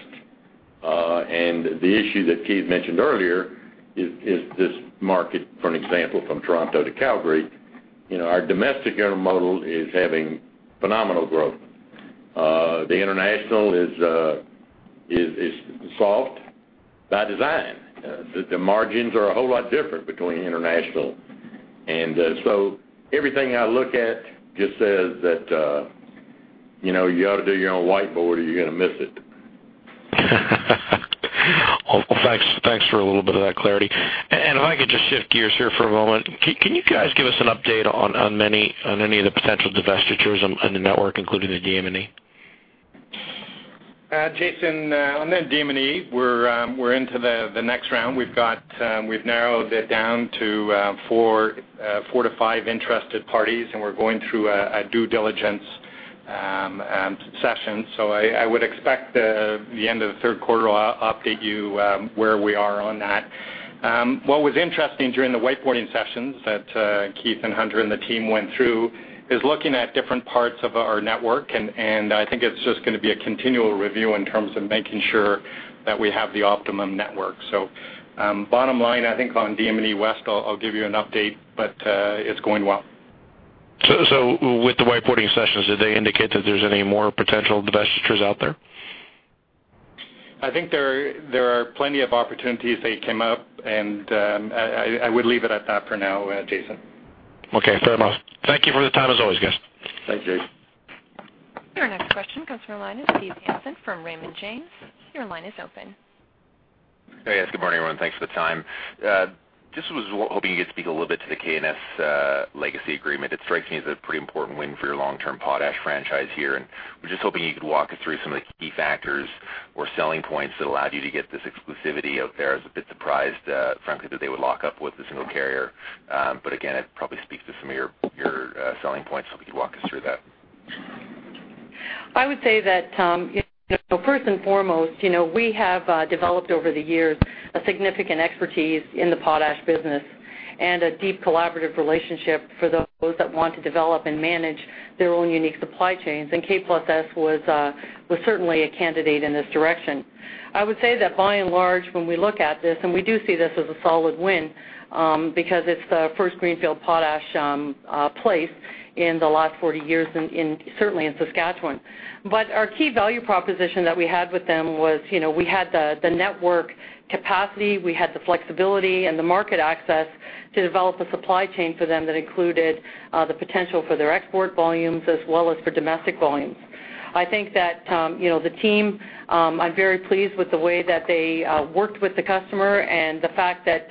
And the issue that Keith mentioned earlier is this market, for an example, from Toronto to Calgary. You know, our domestic intermodal is having phenomenal growth. The international is soft by design. The margins are a whole lot different between international. So, everything I look at just says that, you know, you ought to do your own whiteboard or you're gonna miss it. Well, thanks, thanks for a little bit of that clarity. If I could just shift gears here for a moment. Can you guys give us an update on any of the potential divestitures on the network, including the DM&E? Jason, on the DM&E, we're into the next round. We've narrowed it down to four to five interested parties, and we're going through a due diligence session. So, I would expect the end of the third quarter, I'll update you where we are on that. What was interesting during the whiteboarding sessions that Keith and Hunter and the team went through is looking at different parts of our network, and I think it's just gonna be a continual review in terms of making sure that we have the optimum network. So, bottom line, I think on DM&E West, I'll give you an update, but it's going well. So, with the whiteboarding sessions, did they indicate that there's any more potential divestitures out there? I think there are plenty of opportunities that came up, and I would leave it at that for now, Jason. Okay, fair enough. Thank you for the time, as always, guys. Thanks, Jason. Your next question comes from the line of Steve Hansen from Raymond James. Your line is open.... Yes, good morning, everyone. Thanks for the time. Just was hoping you could speak a little bit to the K+S Legacy agreement. It strikes me as a pretty important win for your long-term potash franchise here, and we're just hoping you could walk us through some of the key factors or selling points that allowed you to get this exclusivity out there. I was a bit surprised, frankly, that they would lock up with a single carrier, but again, it probably speaks to some of your selling points. So, if you could walk us through that. I would say that, you know, first and foremost, you know, we have developed over the years a significant expertise in the potash business and a deep collaborative relationship for those that want to develop and manage their own unique supply chains, and K+S was certainly a candidate in this direction. I would say that by and large, when we look at this, and we do see this as a solid win, because it's the first greenfield potash play in the last 40 years in certainly in Saskatchewan. But our key value proposition that we had with them was, you know, we had the network capacity, we had the flexibility and the market access to develop a supply chain for them that included the potential for their export volumes as well as for domestic volumes. I think that, you know, the team, I'm very pleased with the way that they worked with the customer and the fact that,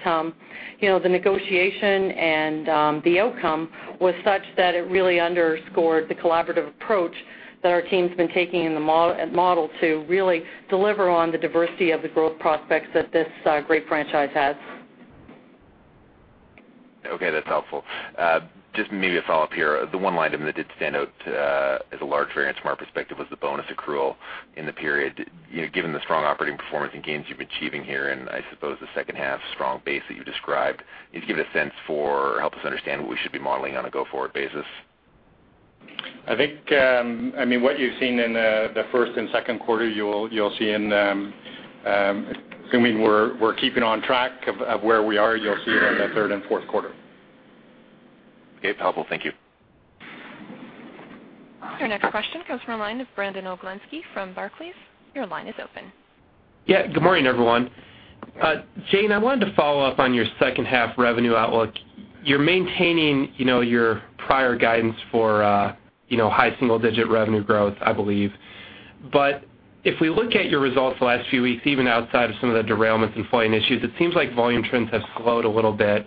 you know, the negotiation and the outcome was such that it really underscored the collaborative approach that our team's been taking in the model to really deliver on the diversity of the growth prospects that this great franchise has. Okay, that's helpful. Just maybe a follow-up here. The one line item that did stand out, as a large variance from our perspective, was the bonus accrual in the period. You know, given the strong operating performance and gains you've been achieving here, and I suppose the second half strong base that you described, can you give me a sense for, or help us understand what we should be modeling on a go-forward basis? I think, I mean, what you've seen in the first and second quarter, assuming we're keeping on track of where we are, you'll see it in the third and fourth quarter. Okay, helpful. Thank you. Your next question comes from the line of Brandon Oglenski from Barclays. Your line is open. Yeah. Good morning, everyone. Jane, I wanted to follow up on your second half revenue outlook. You're maintaining, you know, your prior guidance for, you know, high single digit revenue growth, I believe. But if we look at your results the last few weeks, even outside of some of the derailments and flooding issues, it seems like volume trends have slowed a little bit.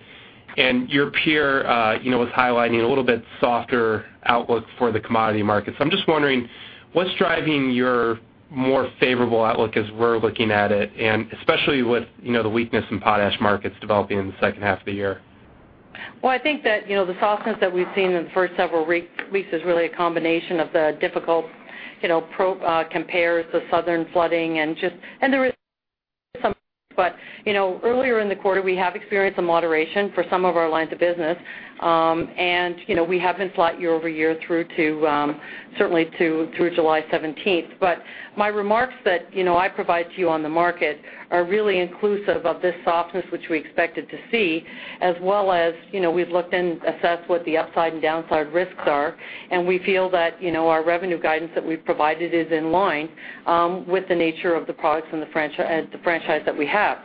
And your peer, you know, was highlighting a little bit softer outlook for the commodity market. So, I'm just wondering, what's driving your more favorable outlook as we're looking at it, and especially with, you know, the weakness in potash markets developing in the second half of the year? Well, I think that, you know, the softness that we've seen in the first several weeks is really a combination of the difficult, you know, prior compares to southern flooding and just, and there is some. But, you know, earlier in the quarter, we have experienced some moderation for some of our lines of business. You know, we have been flat year-over-year through to, certainly to, through July seventeenth. But my remarks that, you know, I provide to you on the market are really inclusive of this softness, which we expected to see, as well as, you know, we've looked and assessed what the upside and downside risks are, and we feel that, you know, our revenue guidance that we've provided is in line with the nature of the products and the franchise that we have.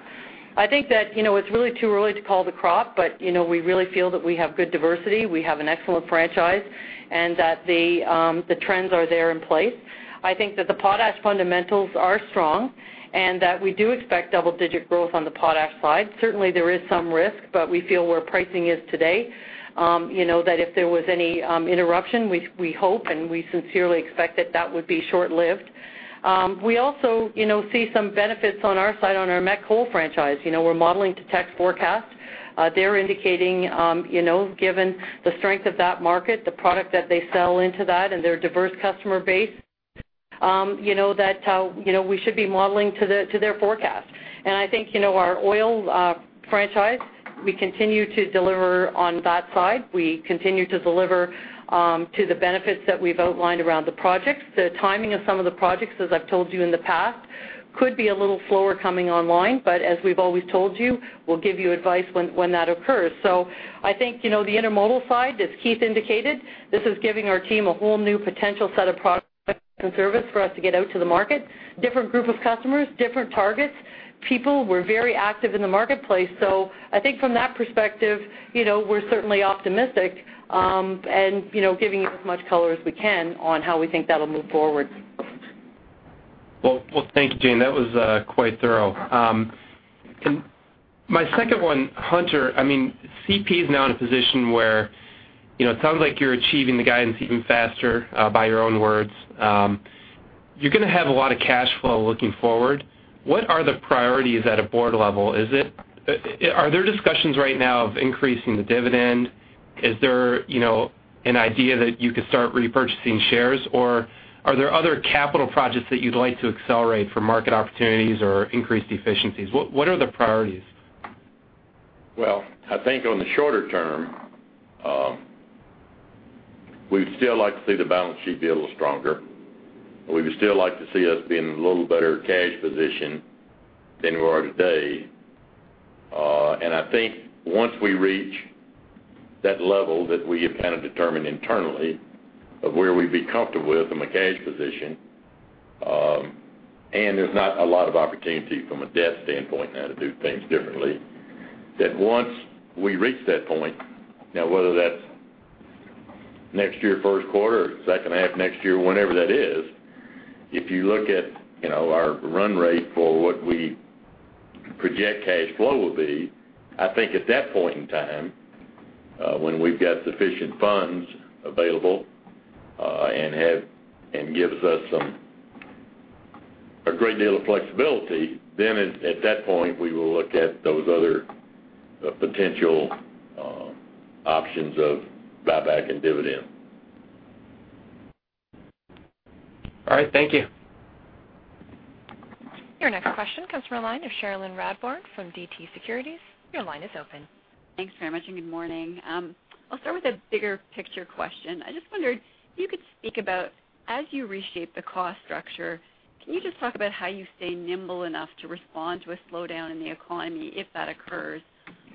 I think that, you know, it's really too early to call the crop, but, you know, we really feel that we have good diversity, we have an excellent franchise, and that the, the trends are there in place. I think that the potash fundamentals are strong and that we do expect double-digit growth on the potash side. Certainly, there is some risk, but we feel where pricing is today, you know, that if there was any interruption, we, we hope and we sincerely expect that that would be short-lived. We also, you know, see some benefits on our side, on our met coal franchise. You know, we're modeling to Teck forecast. They're indicating, you know, given the strength of that market, the product that they sell into that and their diverse customer base, you know, that we should be modeling to their forecast. I think, you know, our oil franchise, we continue to deliver on that side. We continue to deliver to the benefits that we've outlined around the projects. The timing of some of the projects, as I've told you in the past, could be a little slower coming online, but as we've always told you, we'll give you advice when that occurs. So, I think, you know, the intermodal side, as Keith indicated, this is giving our team a whole new potential set of products and service for us to get out to the market. Different group of customers, different targets. People were very active in the marketplace. So I think from that perspective, you know, we're certainly optimistic, and, you know, giving you as much color as we can on how we think that'll move forward. Well, well, thank you, Jane. That was quite thorough. My second one, Hunter, I mean, CP is now in a position where, you know, it sounds like you're achieving the guidance even faster, by your own words. You're gonna have a lot of cash flow looking forward. What are the priorities at a board level? Is it— Are there discussions right now of increasing the dividend? Is there, you know, an idea that you could start repurchasing shares, or are there other capital projects that you'd like to accelerate for market opportunities or increased efficiencies? What, what are the priorities? Well, I think on the shorter term, we'd still like to see the balance sheet be a little stronger. We would still like to see us be in a little better cash position than we are today. I think once we reach that level that we have kind of determined internally of where we'd be comfortable with from a cash position, and there's not a lot of opportunity from a debt standpoint now to do things differently, that once we reach that point, now, whether that's-... Next year, first quarter or second half next year, whenever that is, if you look at, you know, our run rate for what we project cash flow will be, I think at that point in time, when we've got sufficient funds available, and gives us some, a great deal of flexibility, then at that point, we will look at those other potential options of buyback and dividend. All right. Thank you. Your next question comes from the line of Sherilyn Radbourne from TD Securities. Your line is open. Thanks very much, and good morning. I'll start with a bigger picture question. I just wondered if you could speak about, as you reshape the cost structure, can you just talk about how you stay nimble enough to respond to a slowdown in the economy, if that occurs?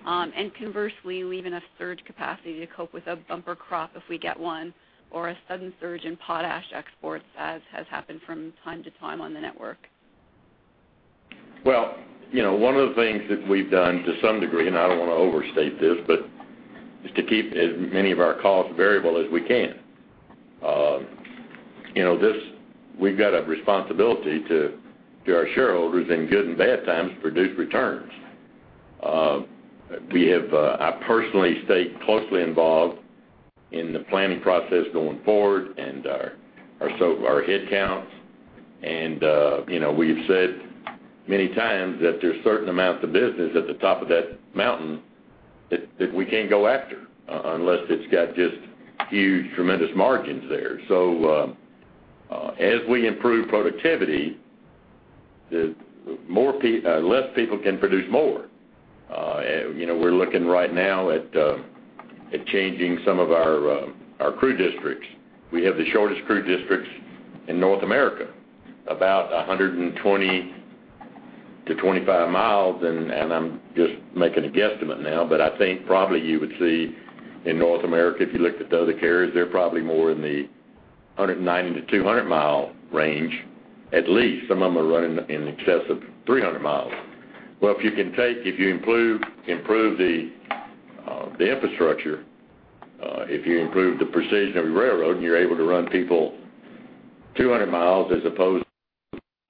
And conversely, leaving a surge capacity to cope with a bumper crop if we get one, or a sudden surge in potash exports, as has happened from time to time on the network. Well, you know, one of the things that we've done to some degree, and I don't want to overstate this, but is to keep as many of our costs variable as we can. You know, this, we've got a responsibility to our shareholders in good and bad times, produce returns. We have, I personally stay closely involved in the planning process going forward and our headcounts. You know, we've said many times that there's certain amounts of business at the top of that mountain that we can't go after, unless it's got just huge, tremendous margins there. So, as we improve productivity, less people can produce more. You know, we're looking right now at changing some of our crew districts. We have the shortest crew districts in North America, about 120-125 miles, and I'm just making a guesstimate now, but I think probably you would see in North America, if you looked at the other carriers, they're probably more in the 190-200-mile range, at least. Some of them are running in excess of 300 miles. Well, if you improve the infrastructure, if you improve the precision of your railroad, and you're able to run people 200 miles as opposed to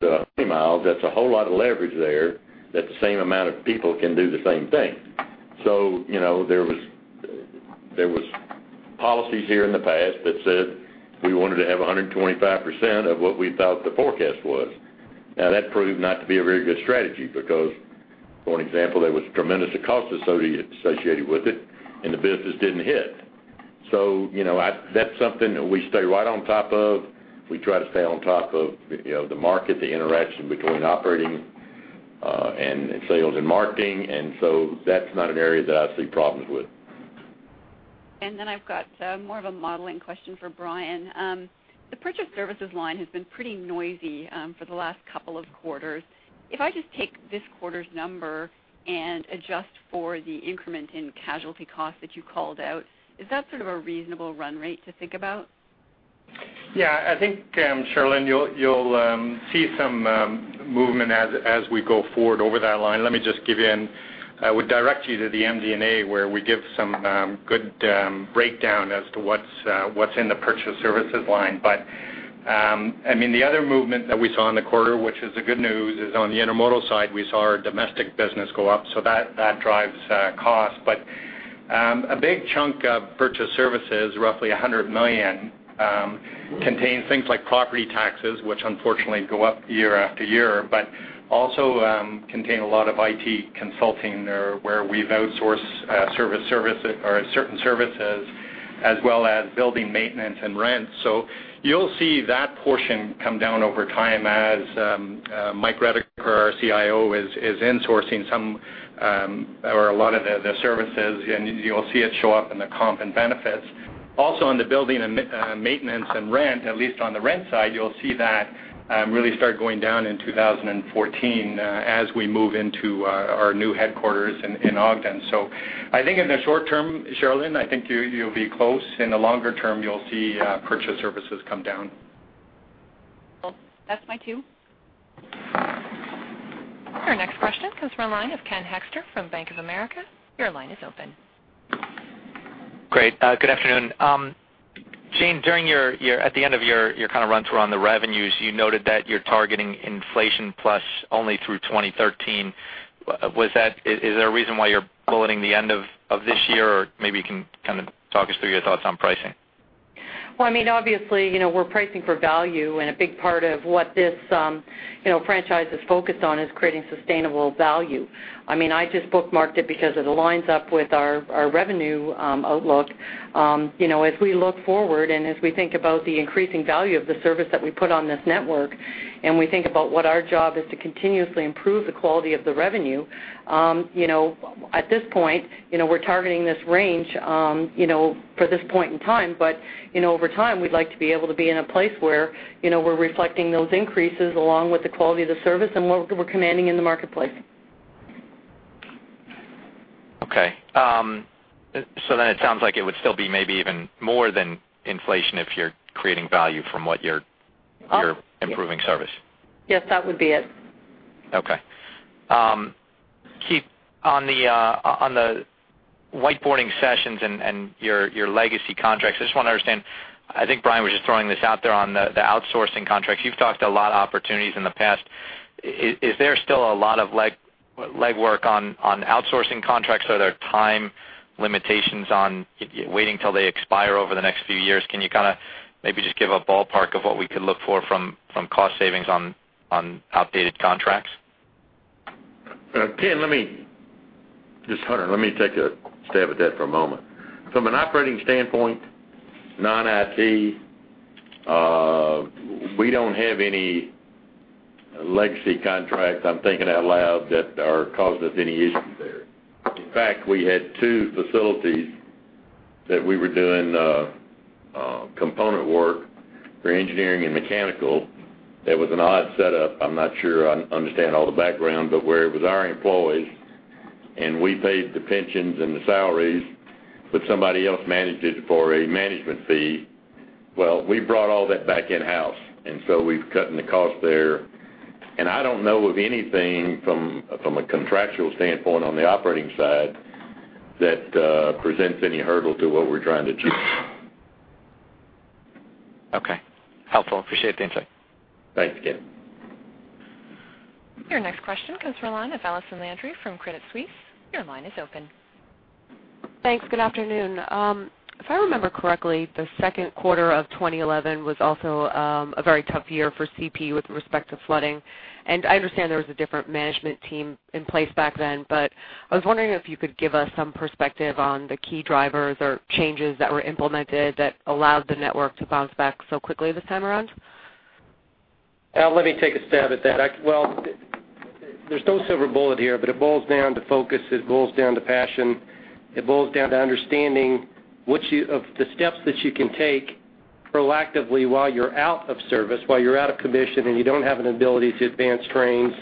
20 miles, that's a whole lot of leverage there, that the same amount of people can do the same thing. So, you know, there was policies here in the past that said, we wanted to have 125% of what we thought the forecast was. Now, that proved not to be a very good strategy because, for an example, there was tremendous cost associated with it, and the business didn't hit. So, you know, I, that's something that we stay right on top of. We try to stay on top of, you know, the market, the interaction between operating and sales and marketing, and so, that's not an area that I see problems with. And then I've got more of a modeling question for Brian. The purchased services line has been pretty noisy for the last couple of quarters. If I just take this quarter's number and adjust for the increment in casualty costs that you called out, is that sort of a reasonable run rate to think about? Yeah, I think, Sherilyn, you'll see some movement as we go forward over that line. Let me just give you. I would direct you to the MD&A, where we give some good breakdown as to what's in the purchased services line. But, I mean, the other movement that we saw in the quarter, which is the good news, is on the intermodal side, we saw our domestic business go up, so, that drives cost. But, a big chunk of purchased services, roughly $100 million, contains things like property taxes, which unfortunately go up year after year, but also contain a lot of IT consulting, or where we've outsourced service or certain services, as well as building maintenance and rent. So, you'll see that portion come down over time as Mike Redeker, our CIO, is insourcing some or a lot of the services, and you'll see it show up in the comp and benefits. Also, on the building and maintenance and rent, at least on the rent side, you'll see that really start going down in 2014 as we move into our new headquarters in Ogden. So, I think in the short term, Sherilyn, I think you'll be close. In the longer term, you'll see purchased services come down. Well, that's my cue. Our next question comes from a line of Ken Hoexter from Bank of America. Your line is open. Great. Good afternoon. Jane, during your at the end of your kind of run-through on the revenues, you noted that you're targeting inflation plus only through 2013. Was that? Is there a reason why you're bulleting the end of this year? Or maybe you can kind of talk us through your thoughts on pricing. Well, I mean, obviously, you know, we're pricing for value, and a big part of what this, you know, franchise is focused on is creating sustainable value. I mean, I just bookmarked it because it aligns up with our, our revenue, outlook. You know, as we look forward and as we think about the increasing value of the service that we put on this network, and we think about what our job is to continuously improve the quality of the revenue, you know, at this point, you know, we're targeting this range, you know, for this point in time. But, you know, over time, we'd like to be able to be in a place where, you know, we're reflecting those increases along with the quality of the service and what we're commanding in the marketplace. Okay, so, then it sounds like it would still be maybe even more than inflation if you're creating value from what you're improving service. Yes, that would be it.... Okay. Keith, on the whiteboarding sessions and your legacy contracts, I just want to understand. I think Brian was just throwing this out there on the outsourcing contracts. You've talked a lot of opportunities in the past. Is there still a lot of legwork on outsourcing contracts? Are there time limitations on waiting till they expire over the next few years? Can you kind of maybe just give a ballpark of what we could look for from cost savings on outdated contracts? Ken, let me just, Hunter, let me take a stab at that for a moment. From an operating standpoint, non-IT, we don't have any legacy contracts, I'm thinking out loud, that are causing us any issues there. In fact, we had two facilities that we were doing component work for engineering and mechanical. That was an odd setup. I'm not sure I understand all the background, but where it was our employees, and we paid the pensions and the salaries, but somebody else managed it for a management fee. Well, we brought all that back in-house, and so, we've cutting the cost there. And I don't know of anything from a contractual standpoint on the operating side that presents any hurdle to what we're trying to achieve. Okay. Helpful. Appreciate the insight. Thanks, Ken. Your next question comes from the line of Allison Landry from Credit Suisse. Your line is open. Thanks. Good afternoon. If I remember correctly, the second quarter of 2011 was also a very tough year for CP with respect to flooding. And I understand there was a different management team in place back then. But I was wondering if you could give us some perspective on the key drivers or changes that were implemented that allowed the network to bounce back so quickly this time around? Let me take a stab at that. Well, there's no silver bullet here, but it boils down to focus, it boils down to passion, it boils down to understanding which of the steps that you can take proactively while you're out of service, while you're out of commission, and you don't have an ability to advance trains,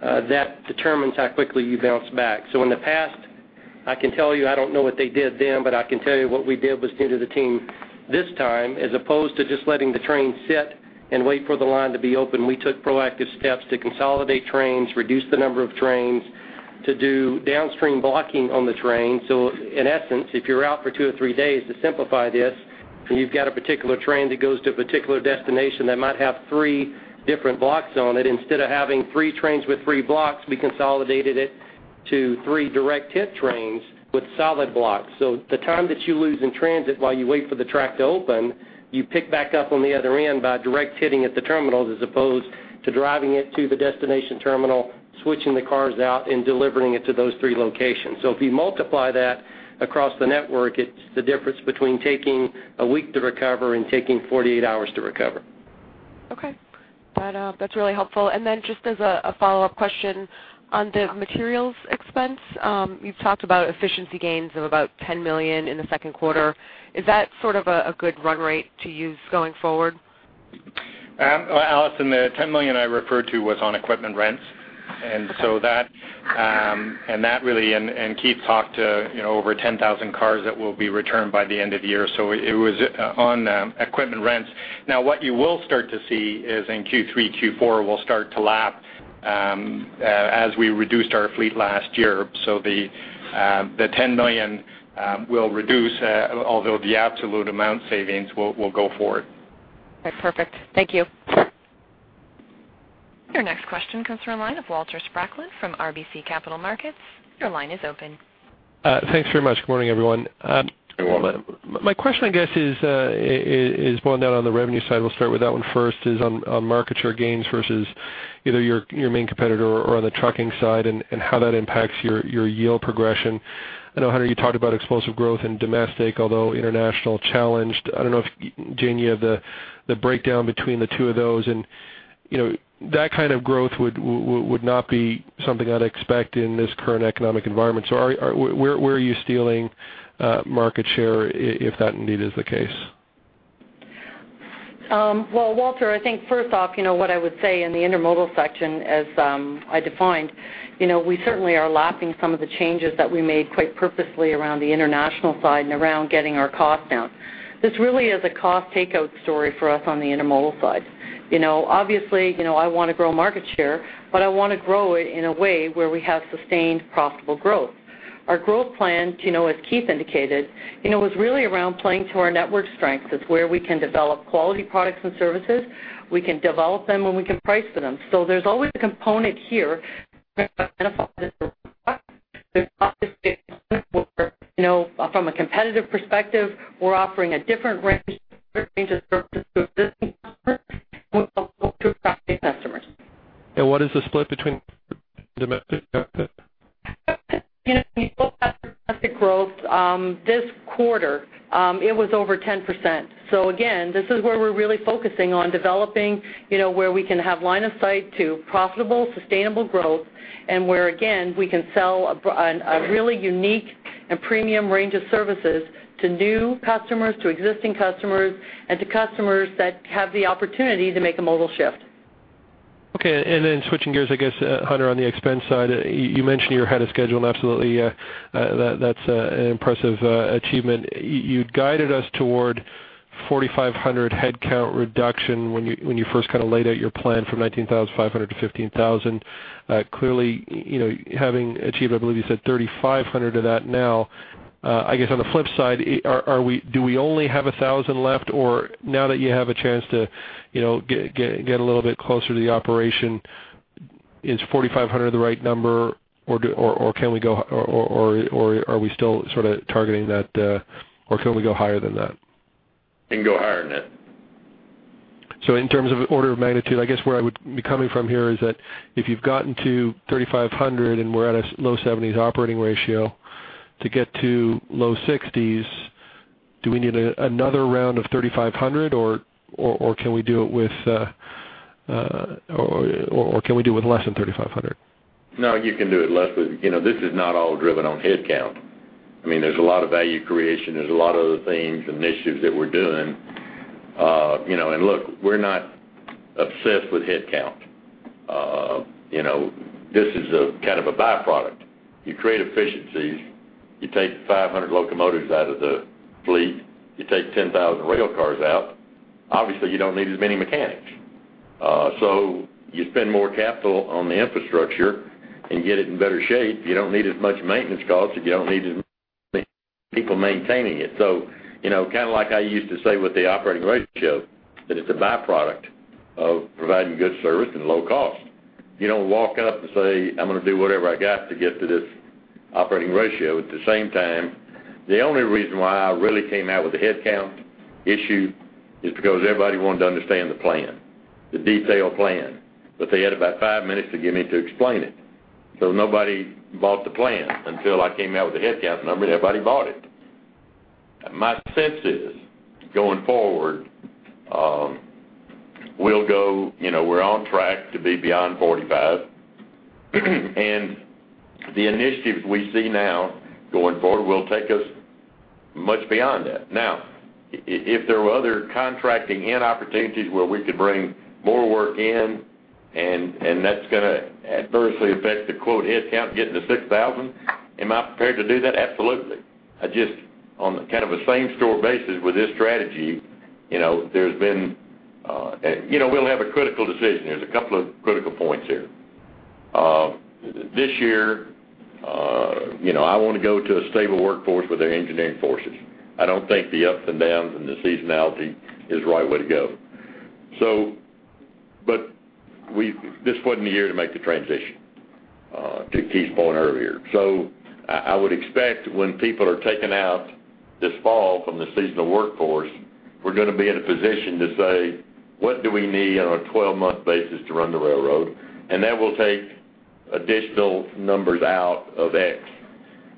that determines how quickly you bounce back. So, in the past, I can tell you, I don't know what they did then, but I can tell you what we did was due to the team this time, as opposed to just letting the train sit and wait for the line to be open, we took proactive steps to consolidate trains, reduce the number of trains, to do downstream blocking on the train. So, in essence, if you're out for 2 or 3 days, to simplify this, and you've got a particular train that goes to a particular destination that might have 3 different blocks on it, instead of having 3 trains with 3 blocks, we consolidated it to 3 direct hit trains with solid blocks. So, the time that you lose in transit while you wait for the track to open, you pick back up on the other end by direct hitting at the terminals, as opposed to driving it to the destination terminal, switching the cars out and delivering it to those 3 locations. So, if you multiply that across the network, it's the difference between taking a week to recover and taking 48 hours to recover. Okay. That, that's really helpful. And then just as a follow-up question on the materials expense, you've talked about efficiency gains of about $10 million in the second quarter. Is that sort of a good run rate to use going forward? Well, Allison, the $10 million I referred to was on equipment rents. And so that, and that really, and Keith talked to, you know, over 10,000 cars that will be returned by the end of the year. So, it, it was, on, equipment rents. Now, what you will start to see is in Q3, Q4 will start to lap, as we reduced our fleet last year. So, the, the $10 million, will reduce, although the absolute amount savings will, will go forward. Okay, perfect. Thank you. Your next question comes from the line of Walter Spracklen from RBC Capital Markets. Your line is open. Thanks very much. Good morning, everyone. My question, I guess, is more down on the revenue side. We'll start with that one first, is on market share gains versus either your main competitor or on the trucking side, and how that impacts your yield progression. I know, Hunter, you talked about explosive growth in domestic, although international challenged. I don't know if, Jane, you have the breakdown between the two of those. You know, that kind of growth would not be something I'd expect in this current economic environment. So, where are you stealing market share if that indeed is the case? Well, Walter, I think first off, you know what I would say in the intermodal section, as I defined, you know, we certainly are lapping some of the changes that we made quite purposely around the international side and around getting our costs down. This really is a cost takeout story for us on the intermodal side. You know, obviously, you know, I want to grow market share, but I want to grow it in a way where we have sustained profitable growth. Our growth plan, you know, as Keith indicated, you know, is really around playing to our network strengths. It's where we can develop quality products and services. We can develop them, and we can price for them. So, there's always a component here, you know, from a competitive perspective, we're offering a different range of services to existing customers and to prospective customers. What is the split between domestic? You know, we both have domestic growth. This quarter, it was over 10%. So again, this is where we're really focusing on developing, you know, where we can have line of sight to profitable, sustainable growth and where, again, we can sell a really unique and premium range of services to new customers, to existing customers, and to customers that have the opportunity to make a mobile shift. Okay. And then switching gears, I guess, Hunter, on the expense side, you mentioned you're ahead of schedule, and absolutely, that's an impressive achievement. You'd guided us toward 4,500 headcount reduction when you first kind of laid out your plan from 19,500 to 15,000. Clearly, you know, having achieved, I believe you said 3,500 of that now, I guess on the flip side, are we—do we only have 1,000 left? Or now that you have a chance to, you know, get a little bit closer to the operation, is 4,500 the right number, or do—or can we go, or are we still sort of targeting that, or can we go higher than that? We can go higher than that. So, in terms of order of magnitude, I guess where I would be coming from here is that if you've gotten to 3,500, and we're at a low-70s operating ratio, to get to low 60s, do we need another round of 3,500, or can we do it with less than 3,500? No, you can do it less, but you know, this is not all driven on headcount. I mean, there's a lot of value creation. There's a lot of other things and initiatives that we're doing. You know, and look, we're not obsessed with headcount. You know, this is a kind of a byproduct. You create efficiencies, you take 500 locomotives out of the fleet, you take 10,000 rail cars out, obviously, you don't need as many mechanics. So, you spend more capital on the infrastructure and get it in better shape. You don't need as much maintenance costs, and you don't need as many people maintaining it. So, you know, kind of like I used to say, with the operating ratio, that it's a byproduct of providing good service and low cost. You don't walk up and say, "I'm going to do whatever I got to get to this operating ratio." At the same time, the only reason why I really came out with the headcount issue is because everybody wanted to understand the plan, the detailed plan, but they had about five minutes to give me to explain it. So, nobody bought the plan until I came out with the headcount number, and everybody bought it. My sense is, going forward, we'll go... You know, we're on track to be beyond 45. And the initiatives we see now going forward will take us much beyond that. Now, if there were other contracting and opportunities where we could bring more work in, and that's going to adversely affect the quote, headcount, getting to 6,000, am I prepared to do that? Absolutely. I just on the kind of a same store basis with this strategy, you know, there's been, you know, we'll have a critical decision. There's a couple of critical points here. This year, you know, I want to go to a stable workforce with our engineering forces. I don't think the ups and downs and the seasonality is the right way to go. So, but we—this wasn't the year to make the transition, to Keith's point earlier. So, I would expect when people are taken out this fall from the seasonal workforce, we're going to be in a position to say, "What do we need on a twelve-month basis to run the railroad?" And that will take additional numbers out of X.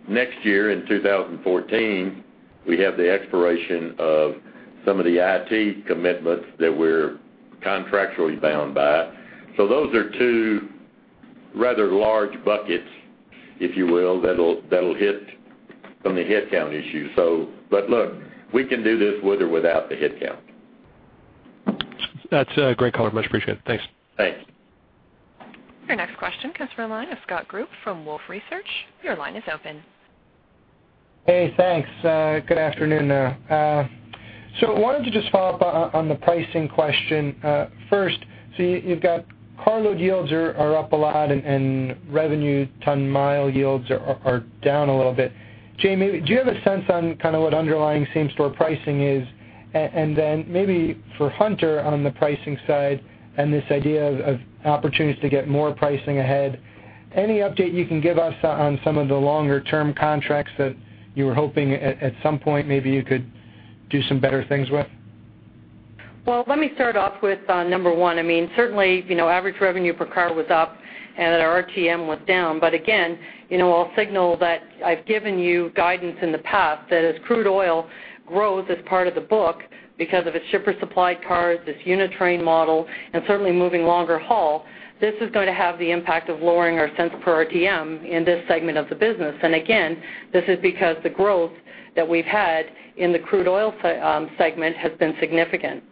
Next year, in 2014, we have the expiration of some of the IT commitments that we're contractually bound by. So, those are two rather large buckets, if you will, that'll, that'll hit on the headcount issue. But look, we can do this with or without the headcount. That's great color. Much appreciated. Thanks. Thanks. Your next question comes from the line of Scott Group from Wolfe Research. Your line is open. Hey, thanks. Good afternoon, there. So, wanted to just follow up on the pricing question. First, so you, you've got carload yields are up a lot and revenue ton mile yields are down a little bit. Jamie, do you have a sense on kind of what underlying same-store pricing is? And then maybe for Hunter, on the pricing side and this idea of opportunities to get more pricing ahead, any update you can give us on some of the longer-term contracts that you were hoping at some point, maybe you could do some better things with? Well, let me start off with number one. I mean, certainly, you know, average revenue per car was up and that our RTM was down. But again, you know, I'll signal that I've given you guidance in the past, that as crude oil grows as part of the book, because of its shipper-supplied cars, this unit train model, and certainly moving longer haul, this is going to have the impact of lowering our cents per RTM in this segment of the business. And again, this is because the growth that we've had in the crude oil segment has been significant.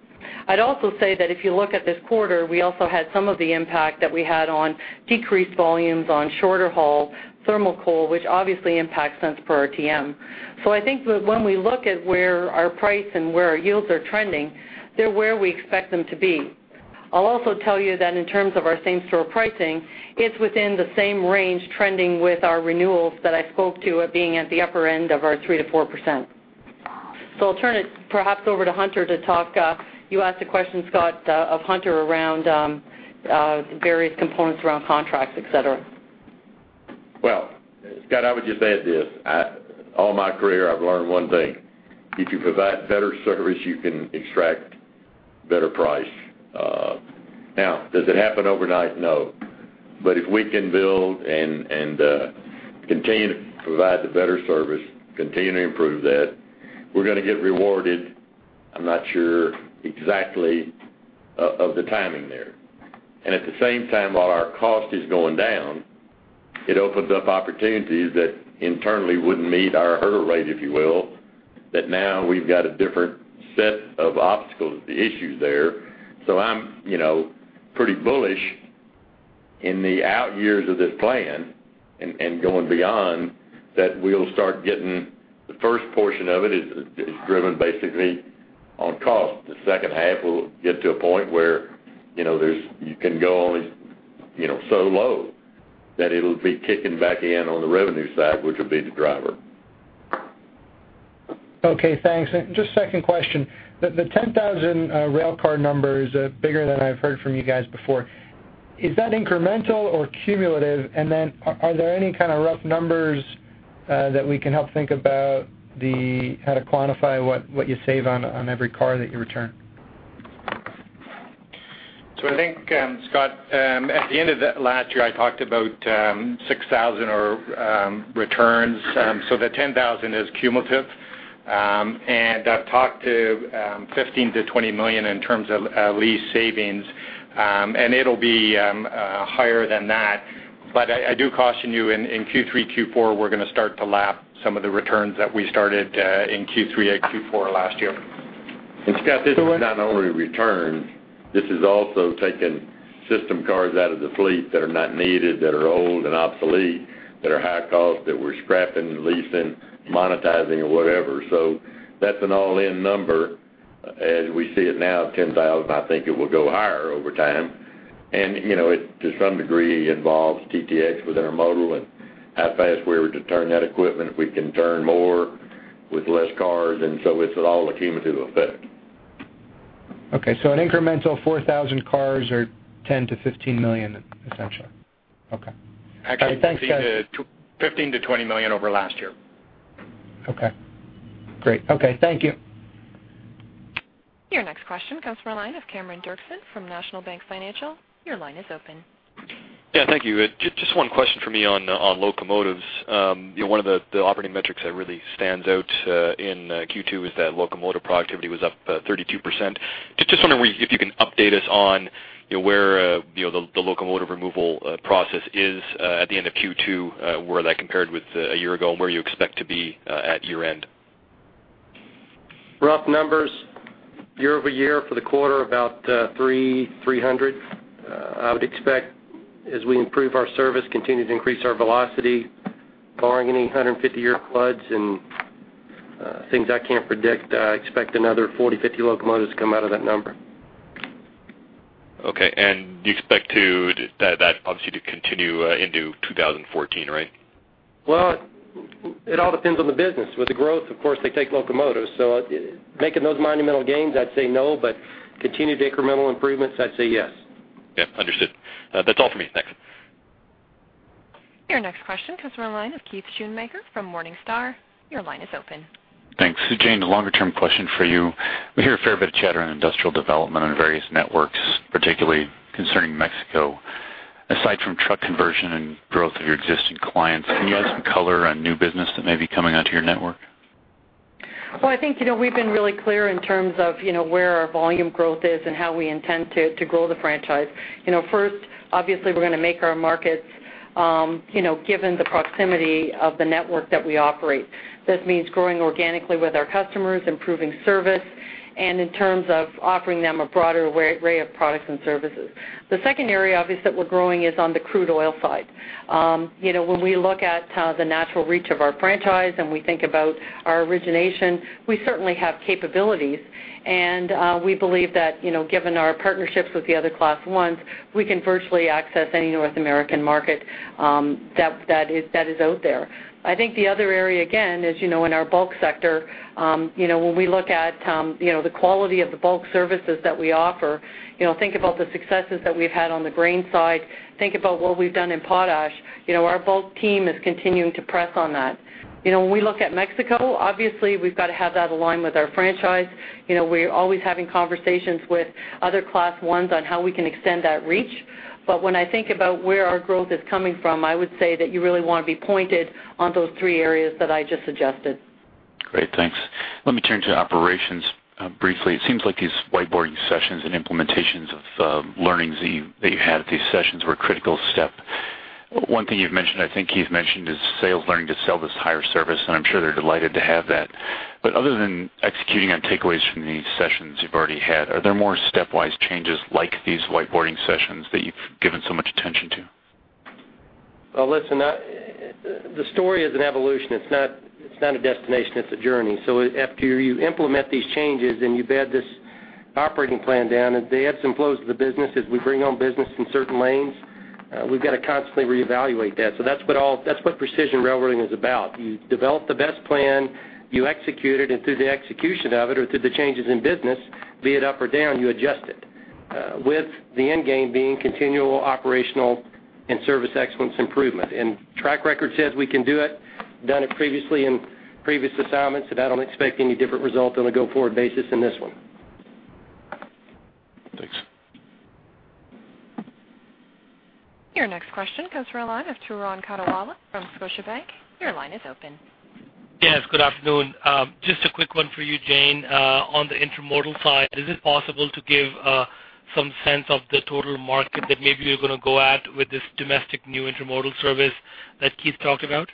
I'd also say that if you look at this quarter, we also had some of the impact that we had on decreased volumes on shorter haul, thermal coal, which obviously impacts cents per RTM. So, I think when we look at where our price and where our yields are trending, they're where we expect them to be. I'll also tell you that in terms of our same-store pricing, it's within the same range trending with our renewals that I spoke to, at being at the upper end of our 3%-4%. So I'll turn it perhaps over to Hunter to talk, you asked a question, Scott, of Hunter around various components around contracts, et cetera. Well, Scott, I would just add this. I all my career, I've learned one thing: If you provide better service, you can extract better price. Now, does it happen overnight? No. But if we can build and, and, continue to provide the better service, continue to improve that, we're going to get rewarded. I'm not sure exactly of the timing there. And at the same time, while our cost is going down, it opens up opportunities that internally wouldn't meet our hurdle rate, if you will, that now we've got a different set of obstacles, the issues there. So, I'm, you know, pretty bullish in the out years of this plan and, and going beyond, that we'll start getting the first portion of it is driven basically on cost. The second half will get to a point where, you know, there's, you can go only, you know, so low that it'll be kicking back in on the revenue side, which will be the driver. Okay, thanks. And just second question, the 10,000 railcar number is bigger than I've heard from you guys before. Is that incremental or cumulative? And then are there any kind of rough numbers that we can help think about the how to quantify what you save on every car that you return? So, I think, Scott, at the end of the last year, I talked about, 6,000 or, returns. So, the 10,000 is cumulative. And I've talked to, 15-20 million in terms of, lease savings, and it'll be, higher than that. But I, I do caution you, in, in Q3, Q4, we're gonna start to lap some of the returns that we started, in Q3 and Q4 last year. Scott, this not only returns, this is also taking system cars out of the fleet that are not needed, that are old and obsolete, that are high cost, that we're scrapping, leasing, monetizing, or whatever. So that's an all-in number. As we see it now, 10,000, I think it will go higher over time. And, you know, it, to some degree, involves TTX with intermodal and how fast we were to turn that equipment. If we can turn more with less cars, and so it's all a cumulative effect. Okay, so an incremental 4,000 cars or 10-15 million, essentially? Okay. Actually, 15 to- Thanks, guys. $15 million-$20 million over last year. Okay, great. Okay, thank you. Your next question comes from the line of Cameron Doerksen from National Bank Financial. Your line is open. Yeah, thank you. Just one question for me on locomotives. You know, one of the operating metrics that really stands out in Q2 is that locomotive productivity was up 32%. Just wondering if you can update us on, you know, where you know the locomotive removal process is at the end of Q2, where that compared with a year ago, and where you expect to be at year-end? Rough numbers, year-over-year for the quarter, about 300. I would expect as we improve our service, continue to increase our velocity, barring any 150-year floods and things I can't predict, I expect another 40-50 locomotives to come out of that number. Okay, and you expect that, that obviously to continue into 2014, right? Well, it all depends on the business. With the growth, of course, they take locomotives, so making those monumental gains, I'd say no, but continued incremental improvements, I'd say yes. Yep, understood. That's all for me. Thanks. Your next question comes from the line of Keith Schoonmaker from Morningstar. Your line is open. Thanks. Jane, a longer-term question for you. We hear a fair bit of chatter on industrial development on various networks, particularly concerning Mexico. Aside from truck conversion and growth of your existing clients, can you add some color on new business that may be coming onto your network? Well, I think, you know, we've been really clear in terms of, you know, where our volume growth is and how we intend to grow the franchise. You know, first, obviously, we're gonna make our markets, you know, given the proximity of the network that we operate. This means growing organically with our customers, improving service, and in terms of offering them a broader array of products and services. The second area, obviously, that we're growing is on the crude oil side. You know, when we look at the natural reach of our franchise, and we think about our origination, we certainly have capabilities, and we believe that, you know, given our partnerships with the other Class 1s, we can virtually access any North American market, that is out there. I think the other area, again, as you know, in our bulk sector, you know, when we look at, you know, the quality of the bulk services that we offer, you know, think about the successes that we've had on the grain side, think about what we've done in potash, you know, our bulk team is continuing to press on that. You know, when we look at Mexico, obviously, we've got to have that aligned with our franchise. You know, we're always having conversations with other Class 1s on how we can extend that reach. But when I think about where our growth is coming from, I would say that you really want to be pointed on those three areas that I just suggested. Great, thanks. Let me turn to operations, briefly. It seems like these whiteboarding sessions and implementations of, learnings that you, that you had at these sessions were a critical step. One thing you've mentioned, I think Keith mentioned, is sales learning to sell this higher service, and I'm sure they're delighted to have that. But other than executing on takeaways from these sessions you've already had, are there more stepwise changes like these whiteboarding sessions that you've given so much attention to? Well, listen, the story is an evolution. It's not, it's not a destination, it's a journey. So, after you implement these changes and you bed this operating plan down, as the ebbs and flows of the business, as we bring on business in certain lanes, we've got to constantly reevaluate that. So, that's what Precision Railroading is about. You develop the best plan, you execute it, and through the execution of it or through the changes in business, be it up or down, you adjust it, with the end game being continual operational and service excellence improvement. And track record says we can do it, done it previously in previous assignments, and I don't expect any different result on a go-forward basis in this one. Thanks. Your next question comes from the line of Turan Quettawala from Scotiabank. Your line is open. Yes, good afternoon. Just a quick one for you, Jane. On the intermodal side, is it possible to give some sense of the total market that maybe you're gonna go at with this domestic new intermodal service that Keith talked about? ...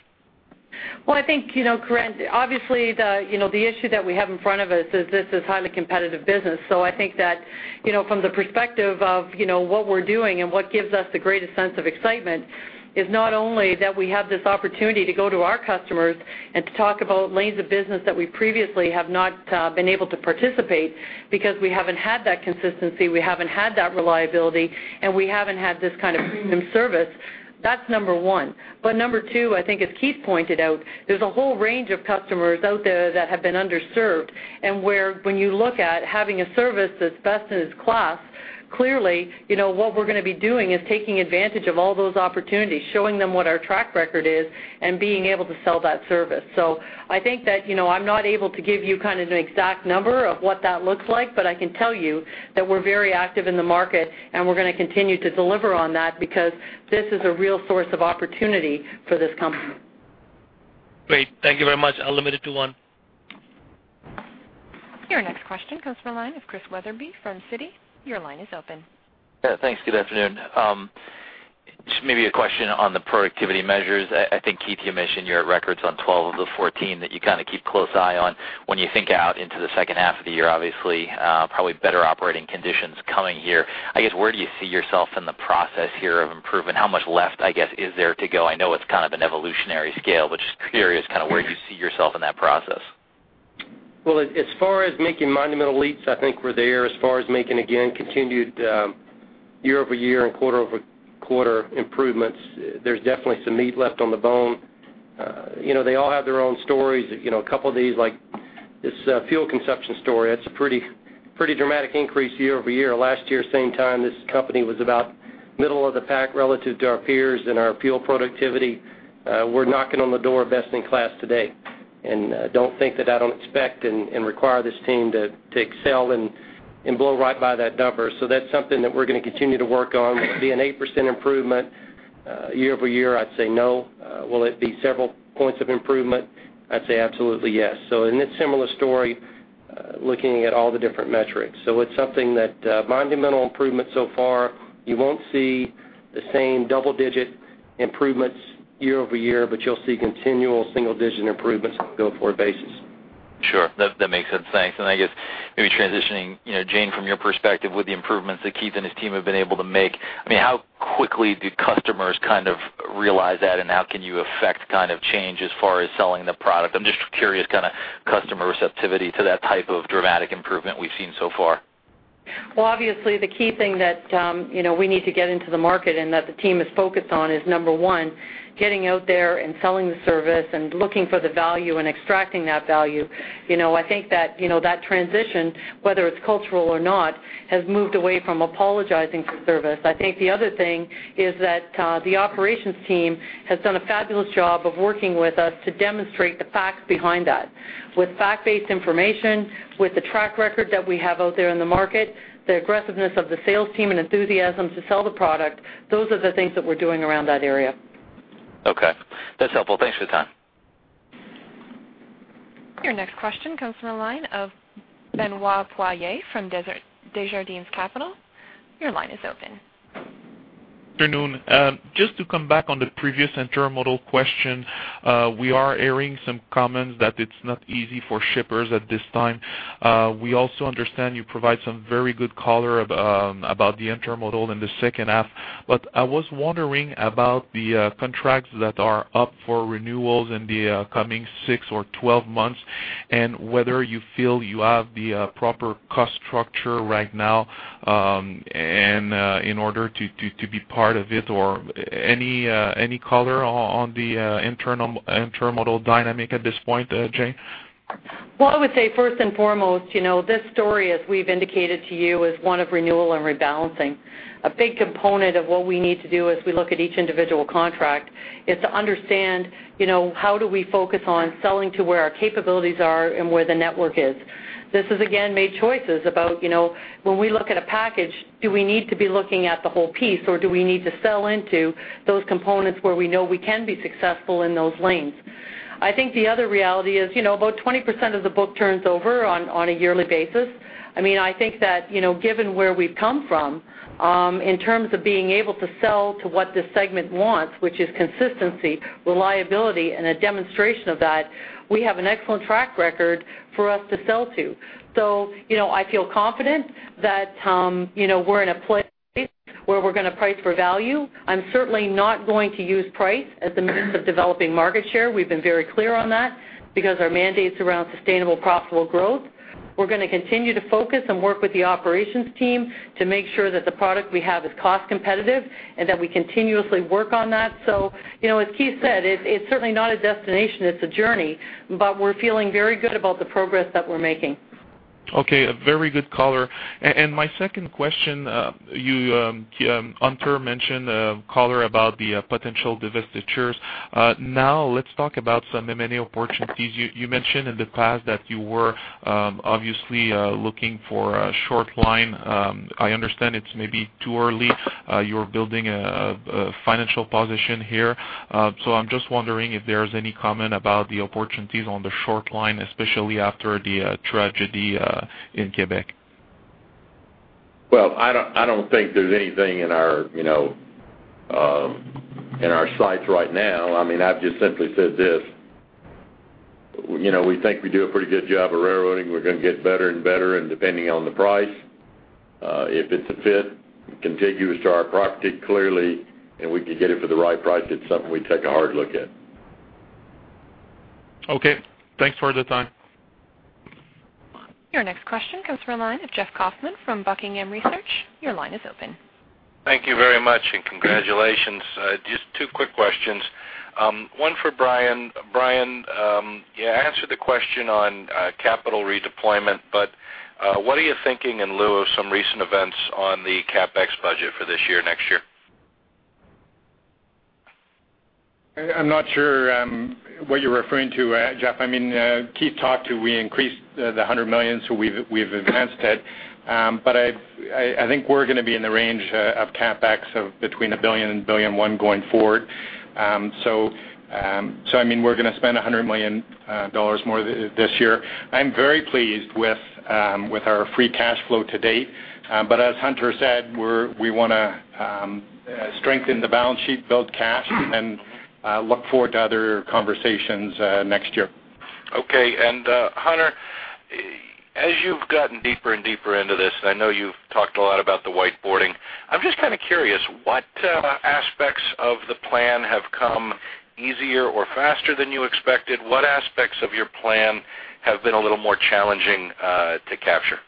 Well, I think, you know, Turan, obviously, the, you know, the issue that we have in front of us is this is highly competitive business. So, I think that, you know, from the perspective of, you know, what we're doing and what gives us the greatest sense of excitement, is not only that we have this opportunity to go to our customers and to talk about lanes of business that we previously have not, been able to participate, because we haven't had that consistency, we haven't had that reliability, and we haven't had this kind of premium service. That's number one. But number two, I think, as Keith pointed out, there's a whole range of customers out there that have been underserved, and where when you look at having a service that's best in its class, clearly, you know, what we're going to be doing is taking advantage of all those opportunities, showing them what our track record is and being able to sell that service. So, I think that, you know, I'm not able to give you kind of an exact number of what that looks like, but I can tell you that we're very active in the market, and we're going to continue to deliver on that because this is a real source of opportunity for this company. Great. Thank you very much. I'll limit it to one. Your next question comes from the line of Chris Wetherbee from Citi. Your line is open. Yeah, thanks. Good afternoon. Just maybe a question on the productivity measures. I think, Keith, you mentioned you're at records on 12 of the 14 that you kind of keep close eye on. When you think out into the second half of the year, obviously, probably better operating conditions coming here. I guess, where do you see yourself in the process here of improvement? How much left, I guess, is there to go? I know it's kind of an evolutionary scale, but just curious, kind of where you see yourself in that process. Well, as far as making monumental leaps, I think we're there. As far as making, again, continued year-over-year and quarter-over-quarter improvements, there's definitely some meat left on the bone. You know, they all have their own stories. You know, a couple of these, like this, fuel consumption story, that's a pretty, pretty dramatic increase year-over-year. Last year, same time, this company was about middle of the pack relative to our peers and our fuel productivity. We're knocking on the door best-in-class today. And don't think that I don't expect and require this team to excel and blow right by that number. So, that's something that we're going to continue to work on. Will it be an 8% improvement year-over-year? I'd say no. Will it be several points of improvement? I'd say absolutely yes. So, and it's a similar story, looking at all the different metrics. So, it's something that, monumental improvements so far. You won't see the same double-digit improvements year-over-year, but you'll see continual single-digit improvements on a go-forward basis. Sure. That makes sense. Thanks. And I guess maybe transitioning, you know, Jane, from your perspective, with the improvements that Keith and his team have been able to make, I mean, how quickly do customers kind of realize that, and how can you affect kind of change as far as selling the product? I'm just curious, kind of customer receptivity to that type of dramatic improvement we've seen so far. Well, obviously, the key thing that, you know, we need to get into the market and that the team is focused on is, number one, getting out there and selling the service and looking for the value and extracting that value. You know, I think that, you know, that transition, whether it's cultural or not, has moved away from apologizing for service. I think the other thing is that, the operations team has done a fabulous job of working with us to demonstrate the facts behind that. With fact-based information, with the track record that we have out there in the market, the aggressiveness of the sales team and enthusiasm to sell the product, those are the things that we're doing around that area. Okay. That's helpful. Thanks for your time. Your next question comes from the line of Benoit Poirier from Desjardins Capital. Your line is open. Good afternoon. Just to come back on the previous intermodal question, we are hearing some comments that it's not easy for shippers at this time. We also understand you provide some very good color about the intermodal in the second half. But I was wondering about the contracts that are up for renewals in the coming six or twelve months, and whether you feel you have the proper cost structure right now, and in order to be part of it, or any color on the intermodal dynamic at this point, Jane? Well, I would say, first and foremost, you know, this story, as we've indicated to you, is one of renewal and rebalancing. A big component of what we need to do as we look at each individual contract is to understand, you know, how do we focus on selling to where our capabilities are and where the network is? This is, again, made choices about, you know, when we look at a package, do we need to be looking at the whole piece, or do we need to sell into those components where we know we can be successful in those lanes? I think the other reality is, you know, about 20% of the book turns over on a yearly basis. I mean, I think that, you know, given where we've come from, in terms of being able to sell to what this segment wants, which is consistency, reliability, and a demonstration of that, we have an excellent track record for us to sell to. So, you know, I feel confident that, you know, we're in a place where we're going to price for value. I'm certainly not going to use price as the means of developing market share. We've been very clear on that because our mandate's around sustainable, profitable growth. We're going to continue to focus and work with the operations team to make sure that the product we have is cost competitive and that we continuously work on that. So, you know, as Keith said, it's certainly not a destination, it's a journey, but we're feeling very good about the progress that we're making. Okay, a very good color. And my second question, you, Hunter mentioned color about the potential divestitures. Now let's talk about some M&A opportunities. You mentioned in the past that you were obviously looking for a short line. I understand it's maybe too early. You're building a financial position here. So, I'm just wondering if there's any comment about the opportunities on the short line, especially after the tragedy in Quebec? ...Well, I don't, I don't think there's anything in our, you know, in our sights right now. I mean, I've just simply said this: You know, we think we do a pretty good job of railroading. We're gonna get better and better, and depending on the price, if it's a fit, contiguous to our property, clearly, and we can get it for the right price, it's something we'd take a hard look at. Okay. Thanks for the time. Your next question comes from a line of Jeff Kaufman from Buckingham Research. Your line is open. Thank you very much, and congratulations. Just two quick questions. One for Brian. Brian, you answered the question on capital redeployment, but what are you thinking in lieu of some recent events on the CapEx budget for this year, next year? I'm not sure what you're referring to, Jeff. I mean, Keith talked to we increased the 100 million, so we've advanced it. But I think we're gonna be in the range of CapEx of between 1 billion and 1.1 billion going forward. So, I mean, we're gonna spend 100 million dollars more this year. I'm very pleased with our free cash flow to date. But as Hunter said, we're we wanna strengthen the balance sheet, build cash, and look forward to other conversations next year. Okay. Hunter, as you've gotten deeper and deeper into this, I know you've talked a lot about the whiteboarding. I'm just kind of curious, what aspects of the plan have come easier or faster than you expected? What aspects of your plan have been a little more challenging to capture?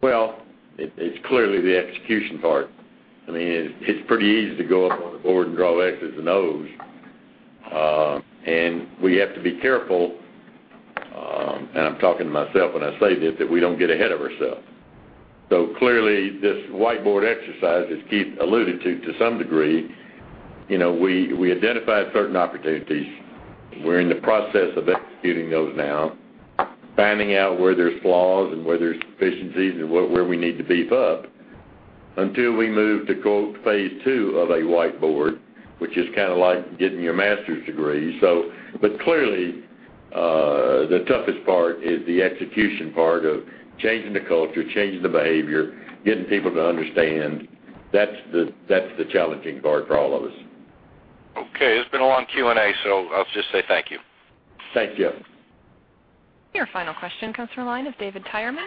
Well, it's clearly the execution part. I mean, it's pretty easy to go up on the board and draw X's and O's. And we have to be careful, and I'm talking to myself when I say this, that we don't get ahead of ourselves. So clearly, this whiteboard exercise, as Keith alluded to, to some degree, you know, we identified certain opportunities. We're in the process of executing those now, finding out where there's flaws and where there's efficiencies and where we need to beef up until we move to, quote, phase two of a whiteboard, which is kind of like getting your master's degree. So, but clearly, the toughest part is the execution part of changing the culture, changing the behavior, getting people to understand. That's the challenging part for all of us. Okay. It's been a long Q&A, so I'll just say thank you. Thank you. Your final question comes from the line of David Tyerman,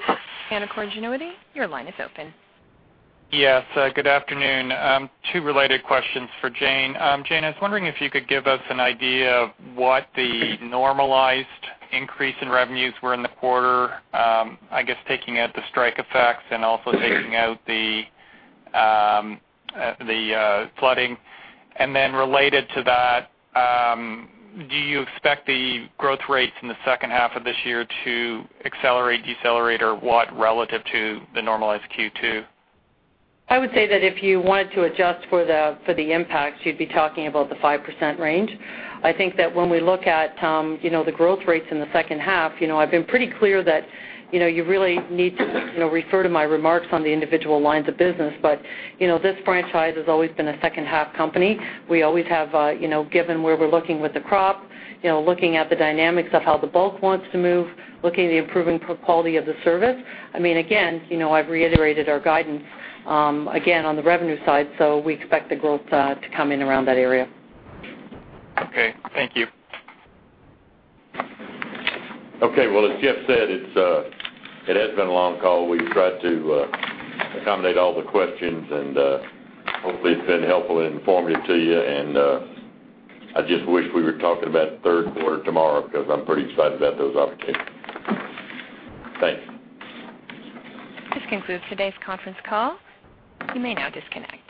Canaccord Genuity. Your line is open. Yes, good afternoon. Two related questions for Jane. Jane, I was wondering if you could give us an idea of what the normalized increase in revenues were in the quarter, I guess, taking out the strike effects and also taking out the flooding. And then related to that, do you expect the growth rates in the second half of this year to accelerate, decelerate, or what, relative to the normalized Q2? I would say that if you wanted to adjust for the, for the impacts, you'd be talking about the 5% range. I think that when we look at, you know, the growth rates in the second half, you know, I've been pretty clear that, you know, you really need to, you know, refer to my remarks on the individual lines of business. But, you know, this franchise has always been a second-half company. We always have, you know, given where we're looking with the crop, you know, looking at the dynamics of how the bulk wants to move, looking at the improving quality of the service. I mean, again, you know, I've reiterated our guidance, again, on the revenue side, so we expect the growth to come in around that area. Okay, thank you. Okay, well, as Jeff said, it has been a long call. We've tried to accommodate all the questions, and hopefully, it's been helpful and informative to you. I just wish we were talking about third quarter tomorrow, because I'm pretty excited about those opportunities. Thank you. This concludes today's conference call. You may now disconnect.